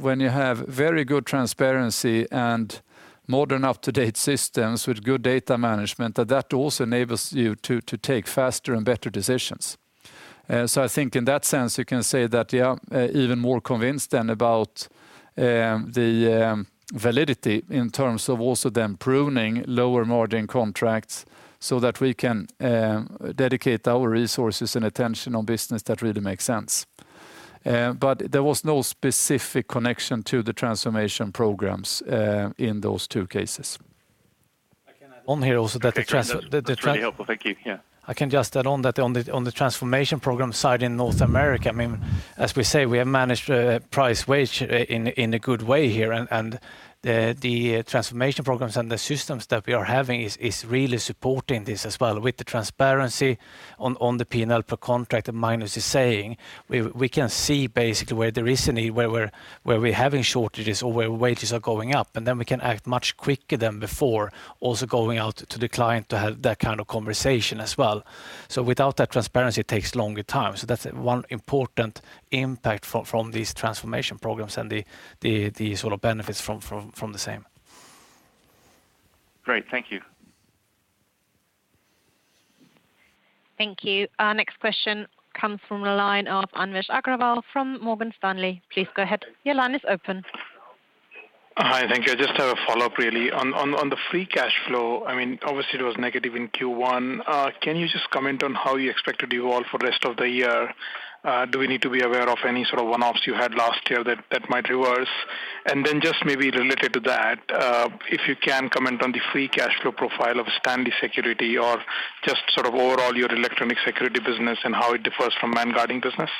When you have very good transparency and modern up-to-date systems with good data management, that also enables you to take faster and better decisions. I think in that sense, you can say that we are even more convinced than about the validity in terms of also then pruning lower margin contracts so that we can dedicate our resources and attention on business that really makes sense. But there was no specific connection to the transformation programs in those two cases. I can add on here also that the trans- That's really helpful. Thank you. Yeah. I can just add on that on the transformation program side in North America. I mean, as we say, we have managed price wage in a good way here. The transformation programs and the systems that we are having is really supporting this as well with the transparency on the P&L per contract that Magnus is saying. We can see basically where there is a need, where we're having shortages or where wages are going up, and then we can act much quicker than before also going out to the client to have that kind of conversation as well. Without that transparency, it takes longer time. That's one important impact from these transformation programs and the sort of benefits from the same. Great. Thank you. Thank you. Our next question comes from the line of Anvesh Agrawal from Morgan Stanley. Please go ahead. Your line is open. Hi. Thank you. I just have a follow-up really. On the Free Cash Flow, I mean, obviously it was negative in Q1. Can you just comment on how you expect to evolve for the rest of the year? Do we need to be aware of any sort of one-offs you had last year that might reverse? Just maybe related to that, if you can comment on the free cash flow profile of Stanley Security or just sort of overall your electronic security business and how it differs from manned guarding business.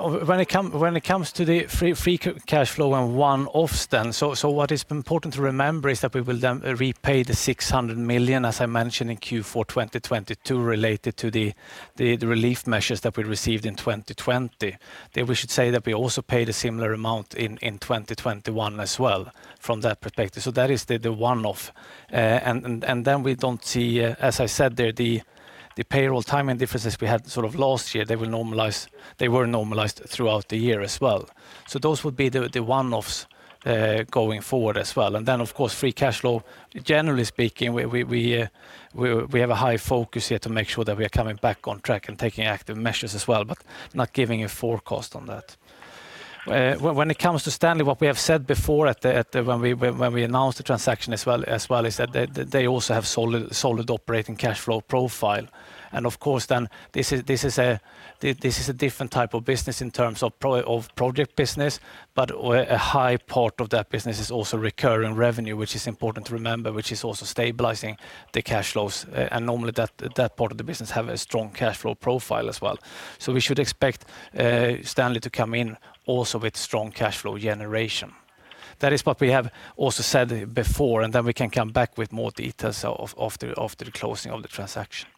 When it comes to the free cash flow and one-offs then, what is important to remember is that we will then repay 600 million, as I mentioned in Q4 2022 related to the relief measures that we received in 2020. We should say that we also paid a similar amount in 2021 as well from that perspective. That is the one-off. Then we don't see, as I said there, the payroll timing differences we had sort of last year, they will normalize—they were normalized throughout the year as well. Those would be the one-offs going forward as well. Of course, Free Cash Flow, generally speaking, we have a high focus here to make sure that we are coming back on track and taking active measures as well, but not giving a forecast on that. When it comes to Stanley, what we have said before when we announced the transaction as well is that they also have solid operating cash flow profile. Of course this is a different type of business in terms of project business, but a high part of that business is also recurring revenue, which is important to remember, which is also stabilizing the cash flows. Normally that part of the business have a strong cash flow profile as well. We should expect Stanley to come in also with strong cash flow generation. That is what we have also said before, and then we can come back with more details after the closing of the transaction.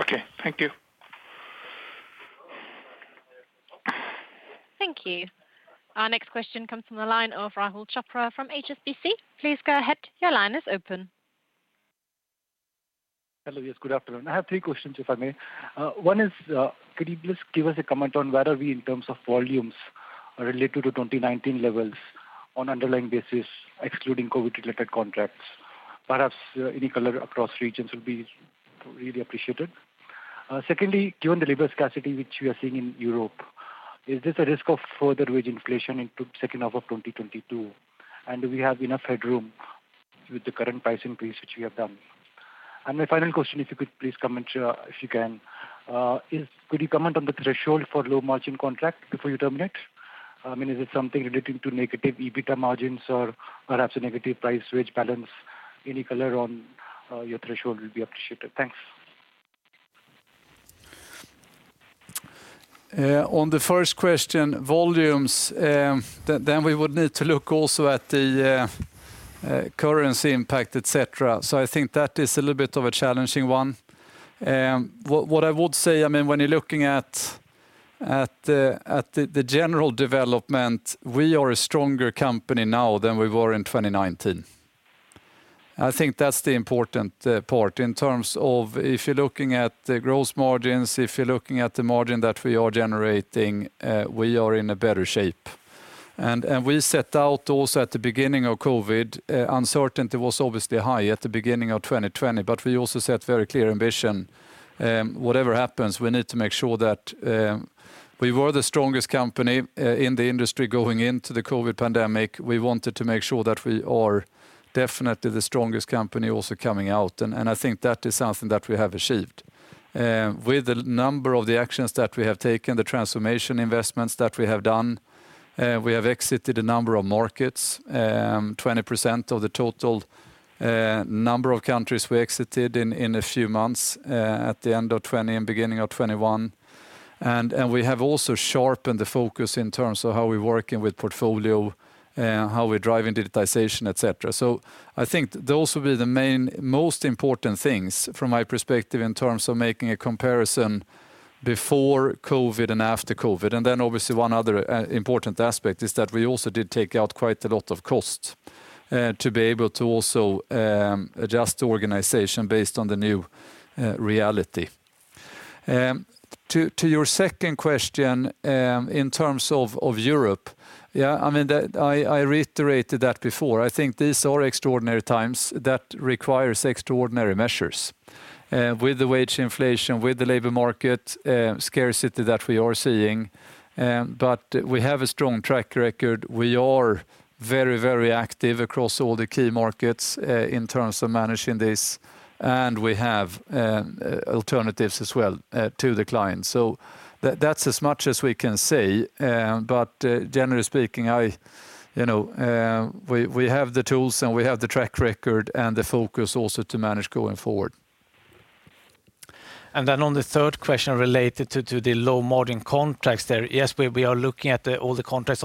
Okay. Thank you. Thank you. Our next question comes from the line of Rahul Chopra from HSBC. Please go ahead. Your line is open. Hello. Yes, good afternoon. I have three questions, if I may. One is, could you please give us a comment on where are we in terms of volumes related to 2019 levels on underlying basis, excluding COVID-related contracts? Perhaps, any color across regions would be really appreciated. Secondly, given the labor scarcity which we are seeing in Europe, is this a risk of further wage inflation into second half of 2022? Do we have enough headroom with the current price increase which we have done? My final question, if you could please comment, could you comment on the threshold for low margin contract before you terminate? I mean, is it something relating to negative EBITDA margins or perhaps a negative price wage balance? Any color on your threshold will be appreciated. Thanks. On the first question, volumes, then we would need to look also at the currency impact, et cetera. I think that is a little bit of a challenging one. What I would say, I mean, when you're looking at the general development, we are a stronger company now than we were in 2019. I think that's the important part. In terms of if you're looking at the gross margins, if you're looking at the margin that we are generating, we are in a better shape. We set out also at the beginning of COVID, uncertainty was obviously high at the beginning of 2020, but we also set very clear ambition. Whatever happens, we need to make sure that we were the strongest company in the industry going into the COVID pandemic. We wanted to make sure that we are definitely the strongest company also coming out, and I think that is something that we have achieved. With the number of the actions that we have taken, the transformation investments that we have done, we have exited a number of markets, 20% of the total number of countries we exited in a few months, at the end of 2020 and beginning of 2021. We have also sharpened the focus in terms of how we're working with portfolio and how we're driving digitization, et cetera. I think those will be the most important things from my perspective in terms of making a comparison before COVID and after COVID. One other important aspect is that we also did take out quite a lot of costs to be able to also adjust the organization based on the new reality. To your second question, in terms of Europe. Yeah, I mean, that I reiterated that before. I think these are extraordinary times that requires extraordinary measures with the wage inflation, with the labor market scarcity that we are seeing. But we have a strong track record. We are very, very active across all the key markets in terms of managing this, and we have alternatives as well to the client. That's as much as we can say. Generally speaking, I, you know, we have the tools, and we have the track record and the focus also to manage going forward. On the third question related to the low margin contracts there. Yes, we are looking at all the contracts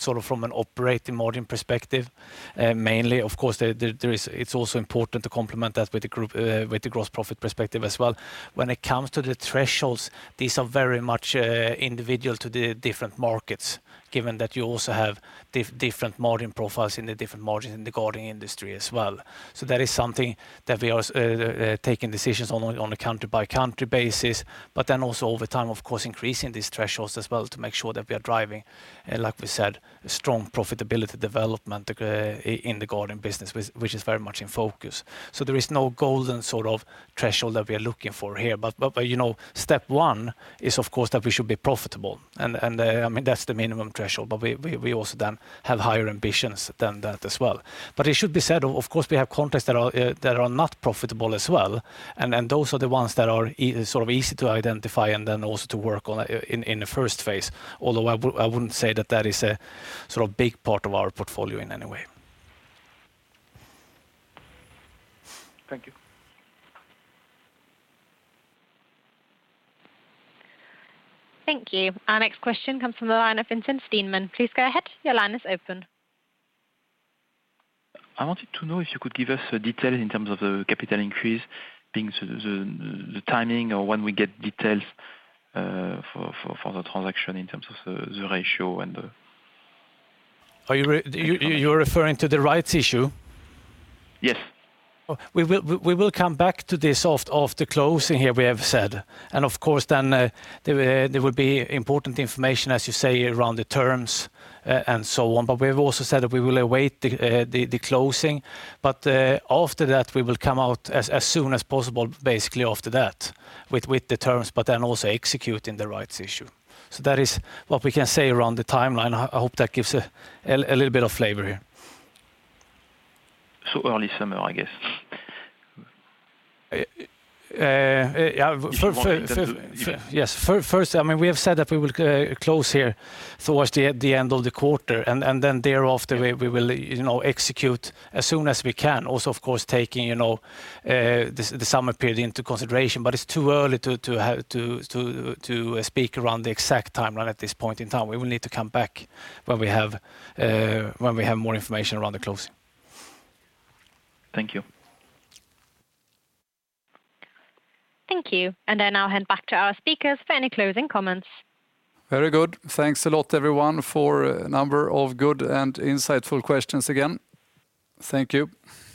sort of from an operating margin perspective, mainly. Of course there is—it's also important to complement that with the group, with the gross profit perspective as well. When it comes to the thresholds, these are very much individual to the different markets, given that you also have different margin profiles in the different markets in the guarding industry as well. That is something that we are taking decisions on a country by country basis, but then also over time, of course, increasing these thresholds as well to make sure that we are driving, like we said, strong profitability development, in the guarding business, which is very much in focus. There is no golden sort of threshold that we are looking for here. You know, step one is, of course, that we should be profitable. I mean, that's the minimum threshold. We also then have higher ambitions than that as well. It should be said, of course, we have contracts that are not profitable as well. Those are the ones that are sort of easy to identify and then also to work on in the first phase, although I wouldn't say that that is a sort of big part of our portfolio in any way. Thank you. Thank you. Our next question comes from the line of Vincent Steenman. Please go ahead. Your line is open. I wanted to know if you could give us a detail in terms of the capital increase, the timing or when we get details for the transaction in terms of the ratio and the- Are you referring to the rights issue? Yes. We will come back to this often, after closing here, we have said. Of course then, there will be important information, as you say, around the terms, and so on. We have also said that we will await the closing. After that, we will come out as soon as possible, basically after that with the terms, but then also executing the rights issue. That is what we can say around the timeline. I hope that gives a little bit of flavor here. Early summer, I guess. Yeah. If you want me to- For, for- Yeah. Yes. First, I mean, we have said that we will close here towards the end of the quarter, and then thereafter. Okay We will, you know, execute as soon as we can. Also, of course, taking, you know, the summer period into consideration, but it's too early to have to speak around the exact timeline at this point in time. We will need to come back when we have more information around the closing. Thank you. Thank you. I now hand back to our speakers for any closing comments. Very good. Thanks a lot, everyone, for a number of good and insightful questions again. Thank you. Thank you, Juan.